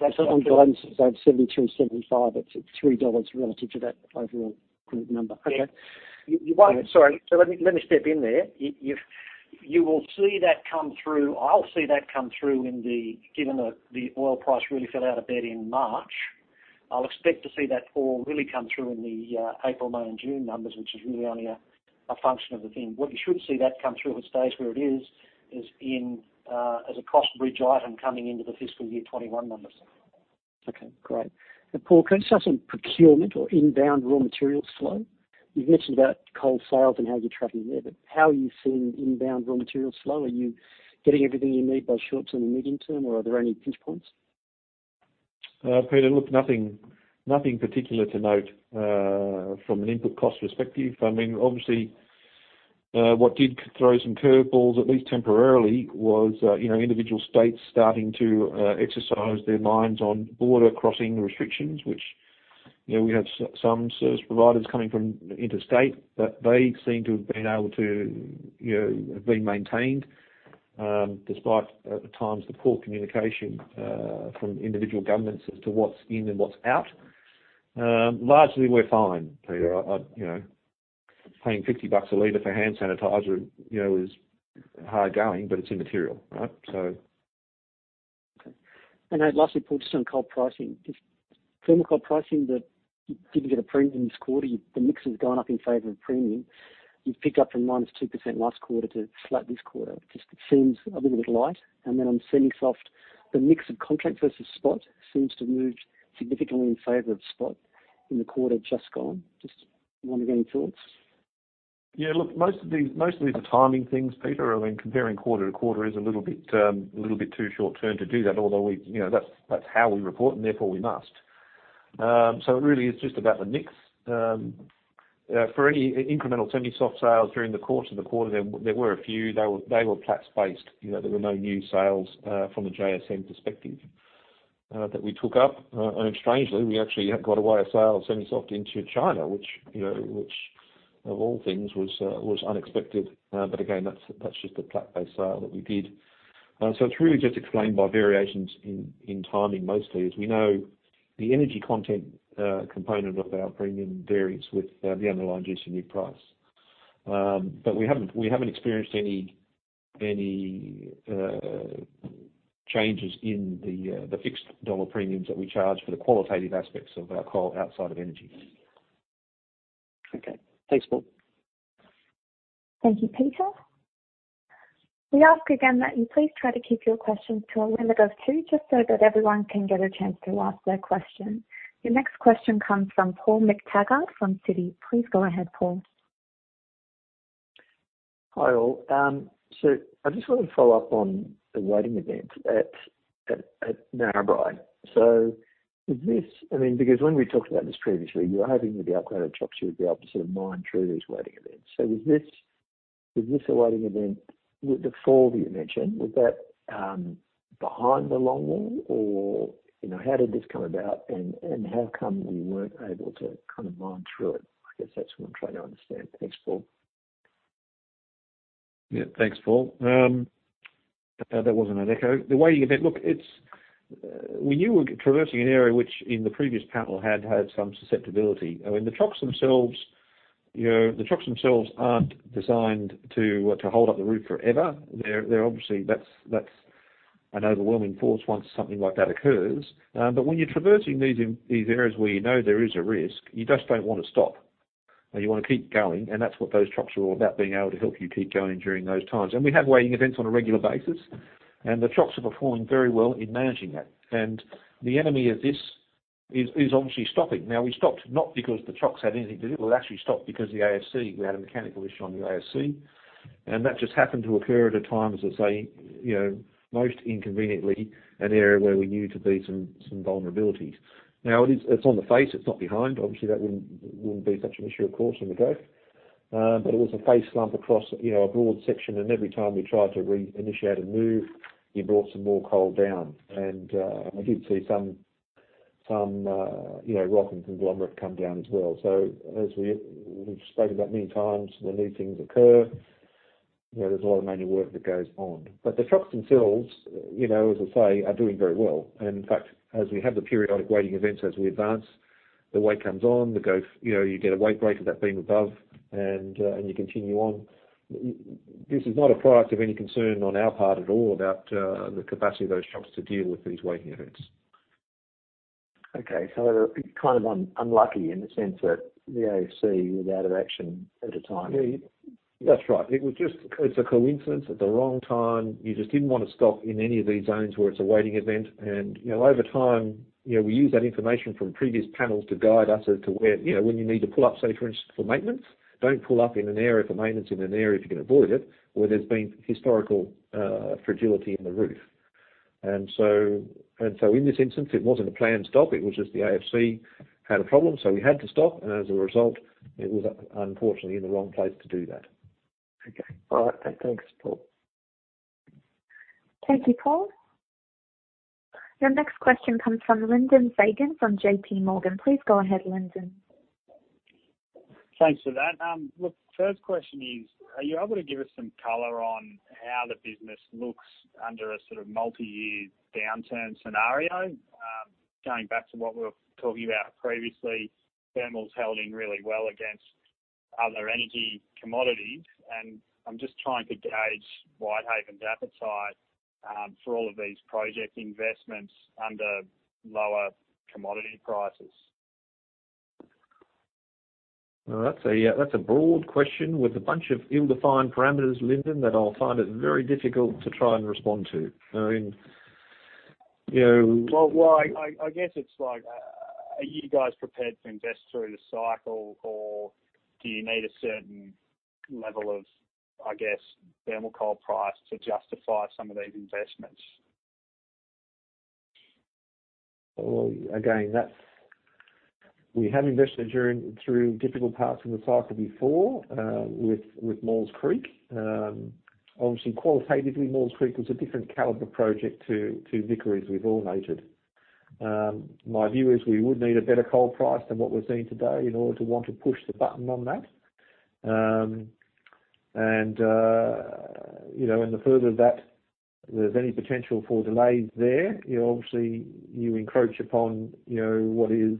On guidance, it's about 72-75. It's $3 relative to that overall group number. Okay. Sorry, so let me step in there. You will see that come through. I'll see that come through, given the oil price really fell out a bit in March. I'll expect to see that all really come through in the April, May, and June numbers, which is really only a function of the thing. What you should see that come through if it stays where it is is a cost bridge item coming into the fiscal year 2021 numbers. Okay. Great. And Paul, can you tell us on procurement or inbound raw materials flow? You've mentioned about coal sales and how you're traveling there, but how are you seeing inbound raw materials flow? Are you getting everything you need by short-term and medium-term, or are there any pinch points? Peter, look, nothing particular to note from an input cost perspective. I mean, obviously, what did throw some curveballs, at least temporarily, was individual states starting to exercise their minds on border crossing restrictions, which we have some service providers coming from interstate, but they seem to have been able to be maintained despite at times the poor communication from individual governments as to what's in and what's out. Largely, we're fine, Peter. Paying 50 bucks a liter for hand sanitizer is hard going, but it's immaterial, right? So. Okay. I'd like to drill just on coal pricing. Just thermal coal pricing that didn't get approved in this quarter, the mix has gone up in favor of premium. You've picked up from -2% last quarter to flat this quarter. Just seems a little bit light. Then on semi-soft, the mix of contract versus spot seems to have moved significantly in favor of spot in the quarter just gone. Just wondering any thoughts? Yeah. Look, most of these are timing things, Peter. I mean, comparing quarter to quarter is a little bit too short-term to do that, although that's how we report, and therefore we must. So it really is just about the mix. For any incremental semi-soft sales during the course of the quarter, there were a few. They were Platts based. There were no new sales from a JSM perspective that we took up. And strangely, we actually got a spot sale of semi-soft into China, which, of all things, was unexpected. But again, that's just a Platts-based sale that we did. So it's really just explained by variations in timing mostly. As we know, the energy content component of our premium varies with the underlying GCV price. But we haven't experienced any changes in the fixed dollar premiums that we charge for the qualitative aspects of our coal outside of energy. Okay. Thanks, Paul. Thank you, Peter. We ask again that you please try to keep your questions to a limit of two just so that everyone can get a chance to ask their question. Your next question comes from Paul McTaggart from Citi. Please go ahead, Paul. Hi, all. I just want to follow up on the weighting event at Narrabri. I mean, because when we talked about this previously, you were hoping that the upgraded chocks you would be able to sort of mine through these weighting events. Was this a weighting event with the fall that you mentioned? Was that behind the longwall, or how did this come about, and how come we weren't able to kind of mine through it? I guess that's what I'm trying to understand. Thanks, Paul. Yeah. Thanks, Paul. That wasn't an echo. The weighting event, look, we knew we were traversing an area which in the previous panel had had some susceptibility. I mean, the chocks themselves, the chocks themselves aren't designed to hold up the roof forever. Obviously, that's an overwhelming force once something like that occurs. But when you're traversing these areas where you know there is a risk, you just don't want to stop. You want to keep going. And that's what those chocks are all about, being able to help you keep going during those times. And we have weighting events on a regular basis. And the chocks are performing very well in managing that. And the enemy of this is obviously stopping. Now, we stopped not because the chocks had anything to do. It actually stopped because the AFC, we had a mechanical issue on the AFC. And that just happened to occur at a time, as I say, most inconveniently, an area where we knew to be some vulnerabilities. Now, it's on the face. It's not behind. Obviously, that wouldn't be such an issue, of course, in the drift. But it was a face slump across a broad section. And every time we tried to reinitiate and move, you brought some more coal down. And we did see some rock and conglomerate come down as well. So as we've spoken about many times, when these things occur, there's a lot of manual work that goes on. But the chocks themselves, as I say, are doing very well. And in fact, as we have the periodic weighting events, as we advance, the weight comes on, you get a weight break at that beam above, and you continue on. This is not a product of any concern on our part at all about the capacity of those chocks to deal with these weighting events. Okay, so kind of unlucky in the sense that the AFC was out of action at a time. That's right. It was just. It's a coincidence at the wrong time. You just didn't want to stop in any of these zones where it's a weighting event. And over time, we use that information from previous panels to guide us as to where, when you need to pull up, say, for instance, for maintenance. Don't pull up in an area for maintenance if you can avoid it, where there's been historical fragility in the roof. And so in this instance, it wasn't a planned stop. It was just the AFC had a problem, so we had to stop. And as a result, it was unfortunately in the wrong place to do that. Okay. All right. Thanks, Paul. Thank you, Paul. Your next question comes from Lyndon Fagan from JPMorgan. Please go ahead, Lyndon. Thanks for that. Look, first question is, are you able to give us some color on how the business looks under a sort of multi-year downturn scenario? Going back to what we were talking about previously, thermals held in really well against other energy commodities, and I'm just trying to gauge Whitehaven's appetite for all of these project investments under lower commodity prices. That's a broad question with a bunch of ill-defined parameters, Lyndon, that I'll find it very difficult to try and respond to. I mean. I guess it's like, are you guys prepared to invest through the cycle, or do you need a certain level of, I guess, thermal coal price to justify some of these investments? Again, we have invested through difficult parts in the cycle before with Maules Creek. Obviously, qualitatively, Maules Creek was a different caliber project to Vickery with Narrabri. My view is we would need a better coal price than what we're seeing today in order to want to push the button on that. In the future of that, there's any potential for delays there. Obviously, you encroach upon what the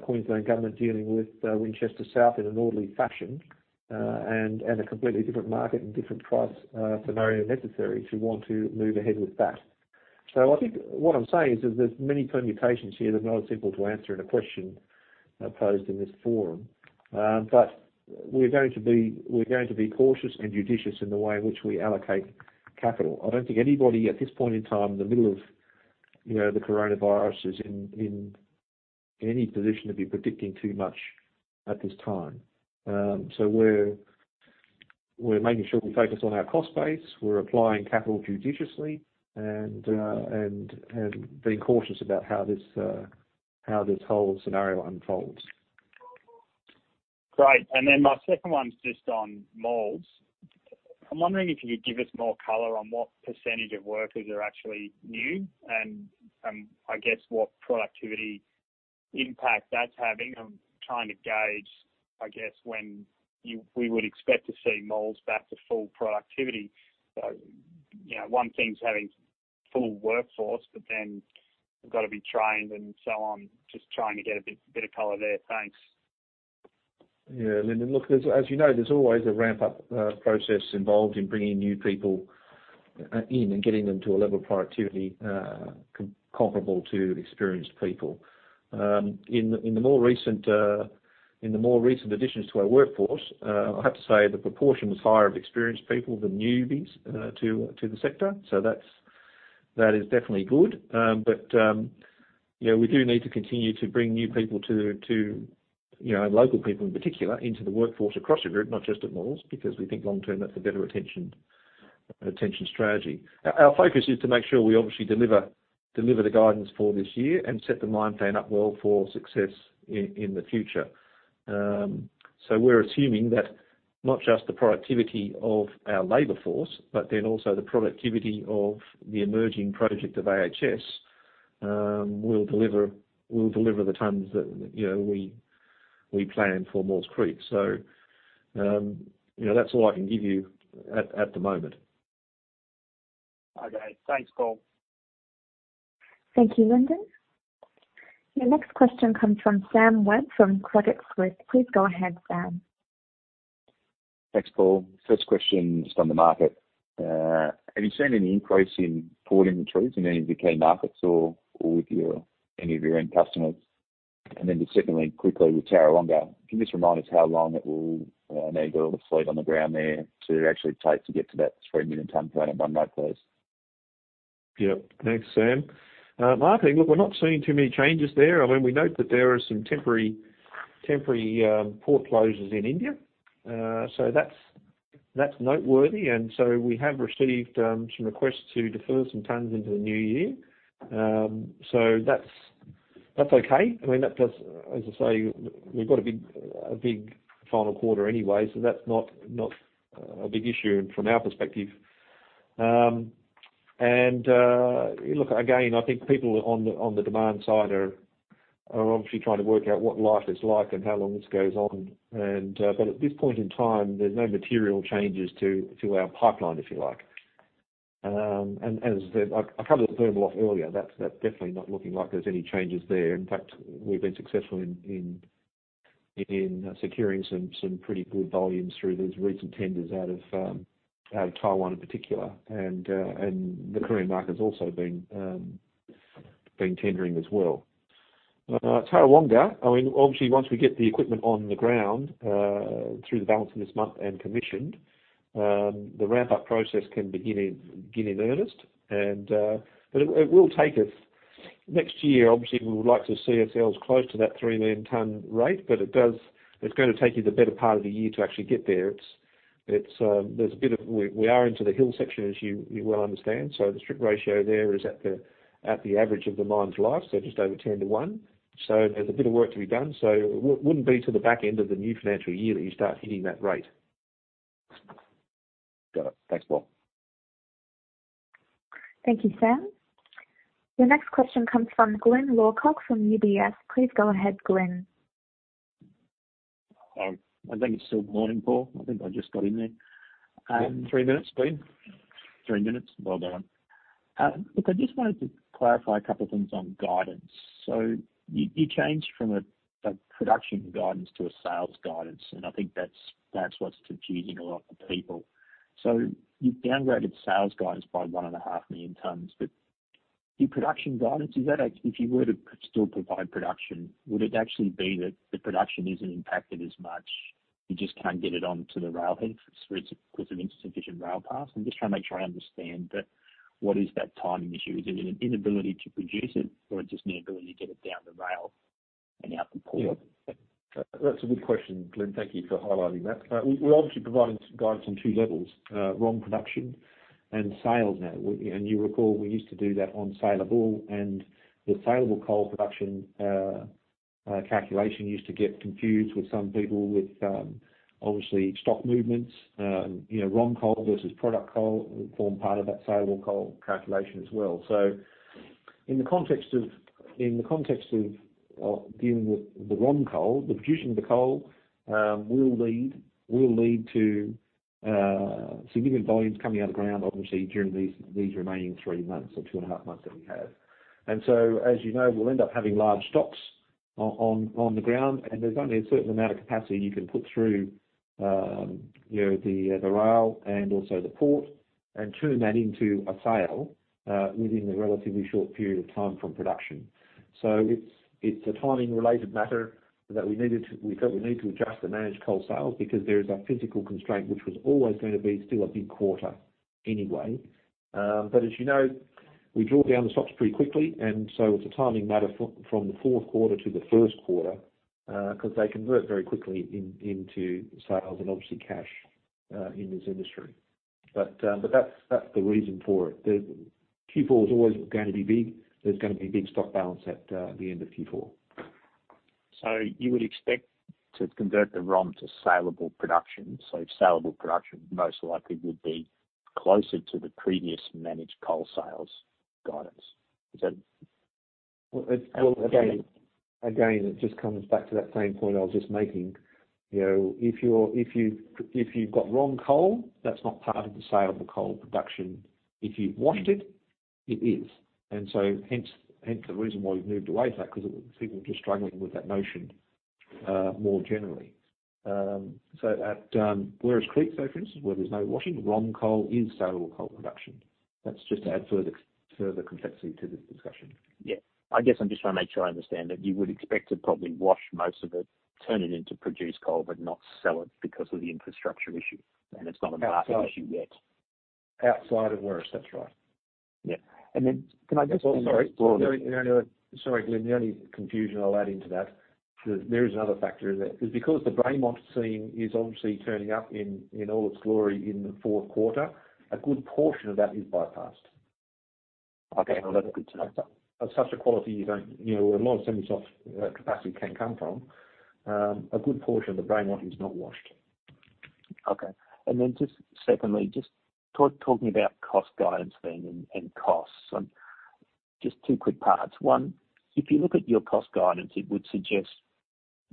Queensland government is dealing with Winchester South in an orderly fashion and a completely different market and different price scenario necessary to want to move ahead with that. I think what I'm saying is there's many permutations here that are not as simple to answer in a question posed in this forum. We are going to be cautious and judicious in the way in which we allocate capital. I don't think anybody at this point in time, the middle of the coronavirus, is in any position to be predicting too much at this time. So we're making sure we focus on our cost base. We're applying capital judiciously and being cautious about how this whole scenario unfolds. Great, and then my second one's just on Maules. I'm wondering if you could give us more color on what percentage of workers are actually new and, I guess, what productivity impact that's having. I'm trying to gauge, I guess, when we would expect to see Maules back to full productivity. One thing's having full workforce, but then you've got to be trained and so on. Just trying to get a bit of color there. Thanks. Yeah. Lyndon, look, as you know, there's always a ramp-up process involved in bringing new people in and getting them to a level of productivity comparable to experienced people. In the more recent additions to our workforce, I have to say the proportion was higher of experienced people than newbies to the sector. So that is definitely good. But we do need to continue to bring new people to, and local people in particular, into the workforce across the group, not just at Maules, because we think long-term that's a better retention strategy. Our focus is to make sure we obviously deliver the guidance for this year and set the mine plan up well for success in the future. We're assuming that not just the productivity of our labor force, but then also the productivity of the emerging project of AHS will deliver the tons that we plan for Maules Creek. So that's all I can give you at the moment. Okay. Thanks, Paul. Thank you, Lyndon. Your next question comes from Sam Webb from Credit Suisse. Please go ahead, Sam. Thanks, Paul. First question just on the market. Have you seen any increase in por inventories in any of the key markets or with any of your own customers? And then the second one, quickly with Tarawonga, can you just remind us how long it will need to sleep on the ground there to actually take to get to that 3 million ton per annum by May, please? Yeah. Thanks, Sam. I think, look, we're not seeing too many changes there. I mean, we note that there are some temporary port closures in India, so that's noteworthy, and so we have received some requests to defer some tons into the new year, so that's okay. I mean, as I say, we've got a big final quarter anyway, so that's not a big issue from our perspective, and look, again, I think people on the demand side are obviously trying to work out what life is like and how long this goes on, but at this point in time, there's no material changes to our pipeline, if you like. And as I said, I covered the thermal offtake earlier. That's definitely not looking like there's any changes there. In fact, we've been successful in securing some pretty good volumes through these recent tenders out of Taiwan in particular. The Korean market's also been tendering as well. Tarawonga, I mean, obviously, once we get the equipment on the ground through the balance of this month and commissioned, the ramp-up process can begin in earnest. It will take us next year. Obviously, we would like to see ourselves close to that three million ton rate, but it's going to take you the better part of the year to actually get there. There's a bit of we are into the hill section, as you well understand. The strip ratio there is at the average of the mine's life, so just over 10 to 1. It wouldn't be to the back end of the new financial year that you start hitting that rate. Got it. Thanks, Paul. Thank you, Sam. Your next question comes from Glyn Lawcock from UBS. please go ahead, Glyn. I think it's still morning, Paul. I think I just got in there. Three minutes, Glyn? Three minutes. Well done. Look, I just wanted to clarify a couple of things on guidance. So you changed from a production guidance to a sales guidance. And I think that's what's confusing a lot of people. So you've downgraded sales guidance by 1.5 million tons. But your production guidance, if you were to still provide production, would it actually be that the production isn't impacted as much? You just can't get it onto the railhead because of insufficient rail paths. I'm just trying to make sure I understand. But what is that timing issue? Is it an inability to produce it, or just an inability to get it down the rail and out the port? Yeah. That's a good question, Glyn. Thank you for highlighting that. We're obviously providing guidance on two levels: ROM production and sales now. And you recall we used to do that on saleable. And the saleable coal production calculation used to get confused with some people with obviously stock movements. ROM coal versus product coal form part of that saleable coal calculation as well. So in the context of dealing with the ROM coal, the producing of the coal will lead to significant volumes coming out of the ground, obviously, during these remaining three months or two and a half months that we have. And so, as you know, we'll end up having large stocks on the ground. There's only a certain amount of capacity you can put through the rail and also the port and turn that into a sale within a relatively short period of time from production. It's a timing-related matter that we need to adjust and manage coal sales because there is a physical constraint, which was always going to be still a big quarter anyway. As you know, we draw down the stocks pretty quickly. It's a timing matter from the fourth quarter to the first quarter because they convert very quickly into sales and obviously cash in this industry. That's the reason for it. Q4 is always going to be big. There's going to be big stock balance at the end of Q4. So you would expect to convert the ROM to saleable production. So saleable production most likely would be closer to the previous managed coal sales guidance. Is that? Again, it just comes back to that same point I was just making. If you've got ROM coal, that's not part of the saleable coal production. If you've washed it, it is. And so hence the reason why we've moved away from that because people are just struggling with that notion more generally. At Werris Creek, for instance, where there's no washing, ROM coal is saleable coal production. That's just to add further complexity to this discussion. Yeah. I guess I'm just trying to make sure I understand that you would expect to probably wash most of it, turn it into produced coal, but not sell it because of the infrastructure issue, and it's not a market issue yet. Outside of Whitehaven's, that's right. Yeah, and then can I just. Sorry. Sorry, Glyn. The only confusion I'll add into that is there is another factor. Because the Braymont Seam is obviously turning up in all its glory in the fourth quarter, a good portion of that is bypassed. Okay. Well, that's good to know. That's such a quality you know where a lot of semisoft capacity can come from. A good portion of the Braymont is not washed. Okay. And then just secondly, just talking about cost guidance then and costs. Just two quick parts. One, if you look at your cost guidance, it would suggest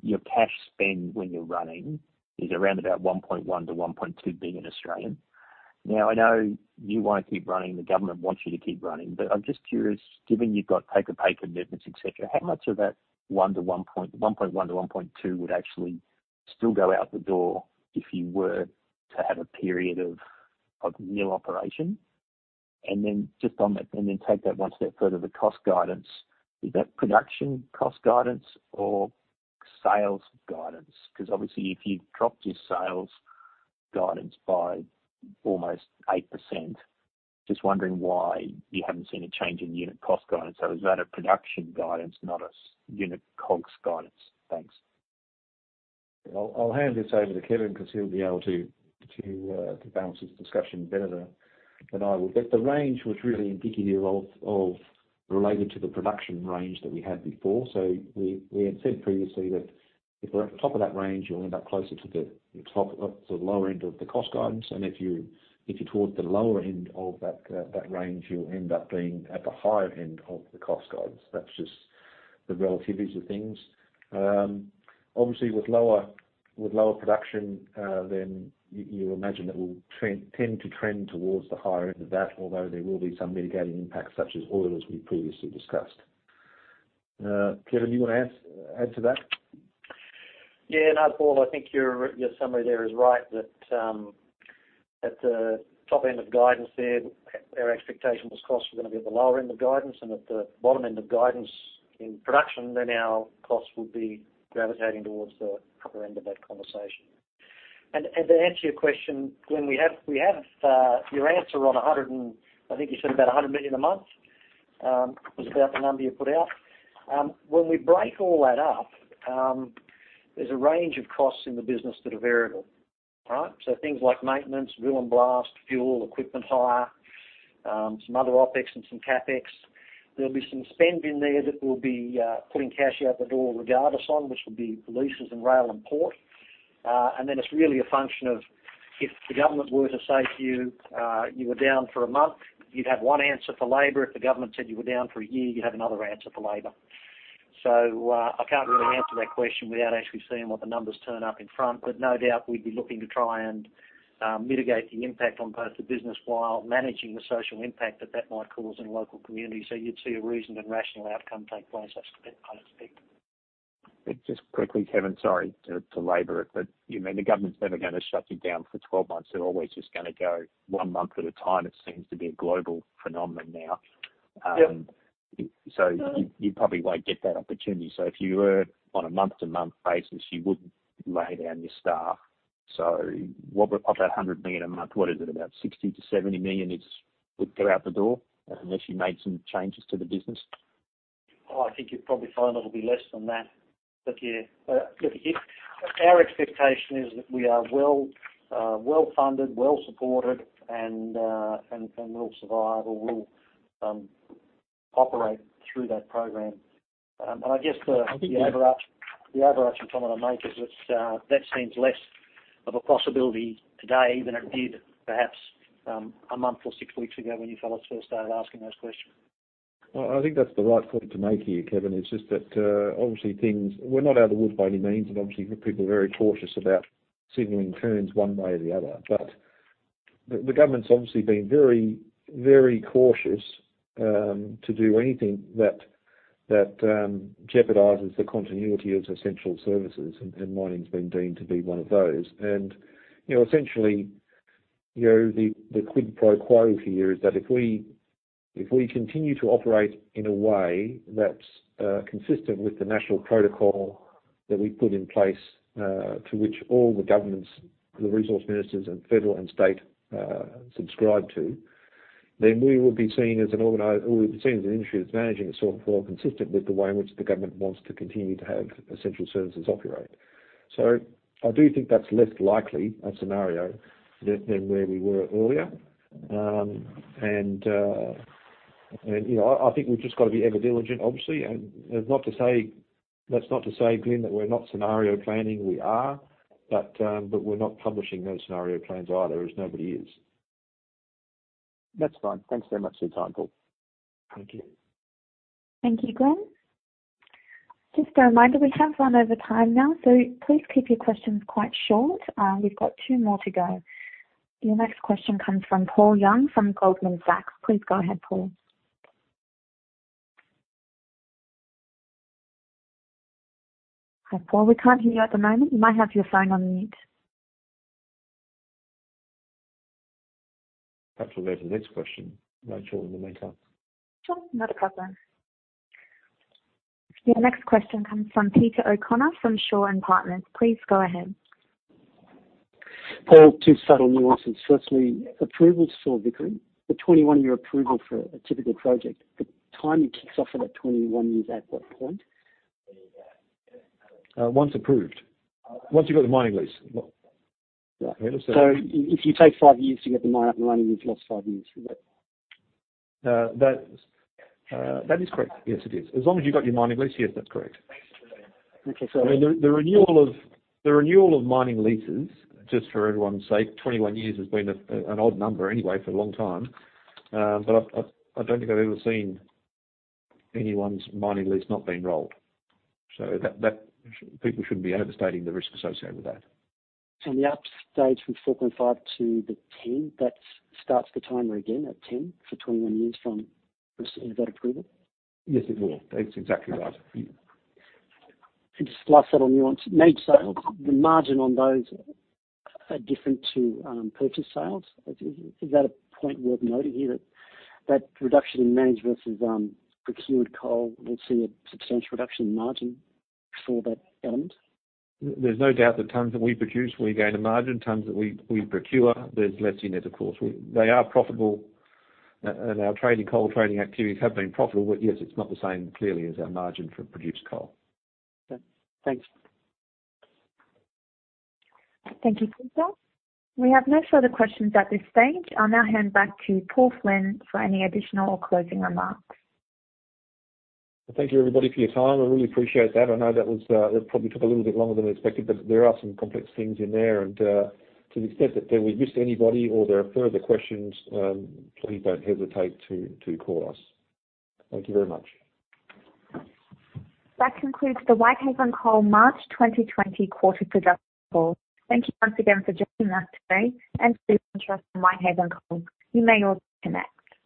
your cash spend when you're running is around about 1.1 billion-1.2 billion. Now, I know you want to keep running. The government wants you to keep running. But I'm just curious, given you've got paper-to-paper movements, etc., how much of that 1.1 to 1.2 would actually still go out the door if you were to have a period of nil operation? And then just on that, and then take that one step further, the cost guidance. Is that production cost guidance or sales guidance? Because obviously, if you've dropped your sales guidance by almost 8%, just wondering why you haven't seen a change in unit cost guidance. So is that a production guidance, not a unit cost guidance? Thanks. I'll hand this over to Kevin because he'll be able to balance his discussion better than I would. But the range was really indicative of related to the production range that we had before. So we had said previously that if we're at the top of that range, you'll end up closer to the lower end of the cost guidance. And if you're towards the lower end of that range, you'll end up being at the higher end of the cost guidance. That's just the relativities of things. Obviously, with lower production than you imagine, it will tend to trend towards the higher end of that, although there will be some mitigating impacts such as oil, as we previously discussed. Kevin, you want to add to that? Yeah. No, Paul, I think your summary there is right that at the top end of guidance there, our expectation was costs were going to be at the lower end of guidance, and at the bottom end of guidance in production, then our costs would be gravitating towards the upper end of that conversation, and to answer your question, Glyn, we have your answer on 100 and I think you said about 100 million a month was about the number you put out. When we break all that up, there's a range of costs in the business that are variable, all right? So things like maintenance, drill and blast, fuel, equipment hire, some other OpEx and some CapEx. There'll be some spend in there that will be putting cash out the door regardless, on which will be leases and rail and port. It's really a function of if the government were to say to you, "You were down for a month," you'd have one answer for labor. If the government said you were down for a year, you'd have another answer for labor. I can't really answer that question without actually seeing what the numbers turn up in front. No doubt we'd be looking to try and mitigate the impact on both the business while managing the social impact that that might cause in a local community. You'd see a reasoned and rational outcome take place, I expect. Just quickly, Kevin, sorry to labor it, but you mean the government's never going to shut you down for 12 months. They're always just going to go one month at a time. It seems to be a global phenomenon now. So you probably won't get that opportunity. So if you were on a month-to-month basis, you wouldn't lay down your staff. So of that 100 million a month, what is it? About 60-70 million would go out the door unless you made some changes to the business? Oh, I think you'd probably find it'll be less than that. Look here. Our expectation is that we are well-funded, well-supported, and we'll survive or we'll operate through that program. And I guess the overarching comment I make is that that seems less of a possibility today than it did perhaps a month or six weeks ago when you fellows first started asking those questions. I think that's the right point to make here, Kevin. It's just that obviously things, we're not out of the woods by any means. And obviously, people are very cautious about signaling turns one way or the other. But the government's obviously been very, very cautious to do anything that jeopardizes the continuity of essential services. And mining's been deemed to be one of those. And essentially, the quid pro quo here is that if we continue to operate in a way that's consistent with the national protocol that we've put in place to which all the governments, the resource ministers, and federal and state subscribe to, then we will be seen as an organization, an industry that's managing itself well consistent with the way in which the government wants to continue to have essential services operate. So I do think that's less likely a scenario than where we were earlier. And I think we've just got to be ever-diligent, obviously. And that's not to say, Glyn, that we're not scenario planning. We are. But we're not publishing those scenario plans either, as nobody is. That's fine. Thanks very much for your time, Paul. Thank you. Thank you, Glyn. Just a reminder, we have run over time now. So please keep your questions quite short. We've got two more to go. Your next question comes from Paul Young from Goldman Sachs. Please go ahead, Paul. Hi, Paul. We can't hear you at the moment. You might have your phone on mute. That will go to the next question. No questions in the meantime. Sure. Not a problem. Your next question comes from Peter O'Connor from Shaw and Partners. Please go ahead. Paul, two subtle nuances. Firstly, approvals for Vickery. The 21-year approval for a typical project, the time it kicks off at that 21 years, at what point? Once approved. Once you've got the mining lease. So if you take five years to get the mine up and running, you've lost five years. That is correct. Yes, it is. As long as you've got your mining lease, yes, that's correct. Okay. So. I mean, the renewal of mining leases, just for everyone's sake, 21 years has been an odd number anyway for a long time. But I don't think I've ever seen anyone's mining lease not being rolled. So people shouldn't be overstating the risk associated with that. The update from 4.5 to the 10, that starts the timer again at 10 for 21 years from receiving that approval? Yes, it will. That's exactly right. Just last subtle nuance. Managed sales, the margin on those are different to purchase sales. Is that a point worth noting here, that reduction in managed versus procured coal? We'll see a substantial reduction in margin for that element. There's no doubt that times that we produce, we gain a margin. Times that we procure, there's less in it, of course. They are profitable. And our coal trading activities have been profitable. But yes, it's not the same, clearly, as our margin for produced coal. Okay. Thanks. Thank you, Kevin. We have no further questions at this stage. I'll now hand back to Paul Flynn for any additional or closing remarks. Thank you, everybody, for your time. I really appreciate that. I know that probably took a little bit longer than expected, but there are some complex things in there, and to the extent that we've missed anybody or there are further questions, please don't hesitate to call us. Thank you very much. That concludes the Whitehaven Coal March 2020 quarter for production call. Thank you once again for joining us today and for your interest in Whitehaven Coal. You may all connect.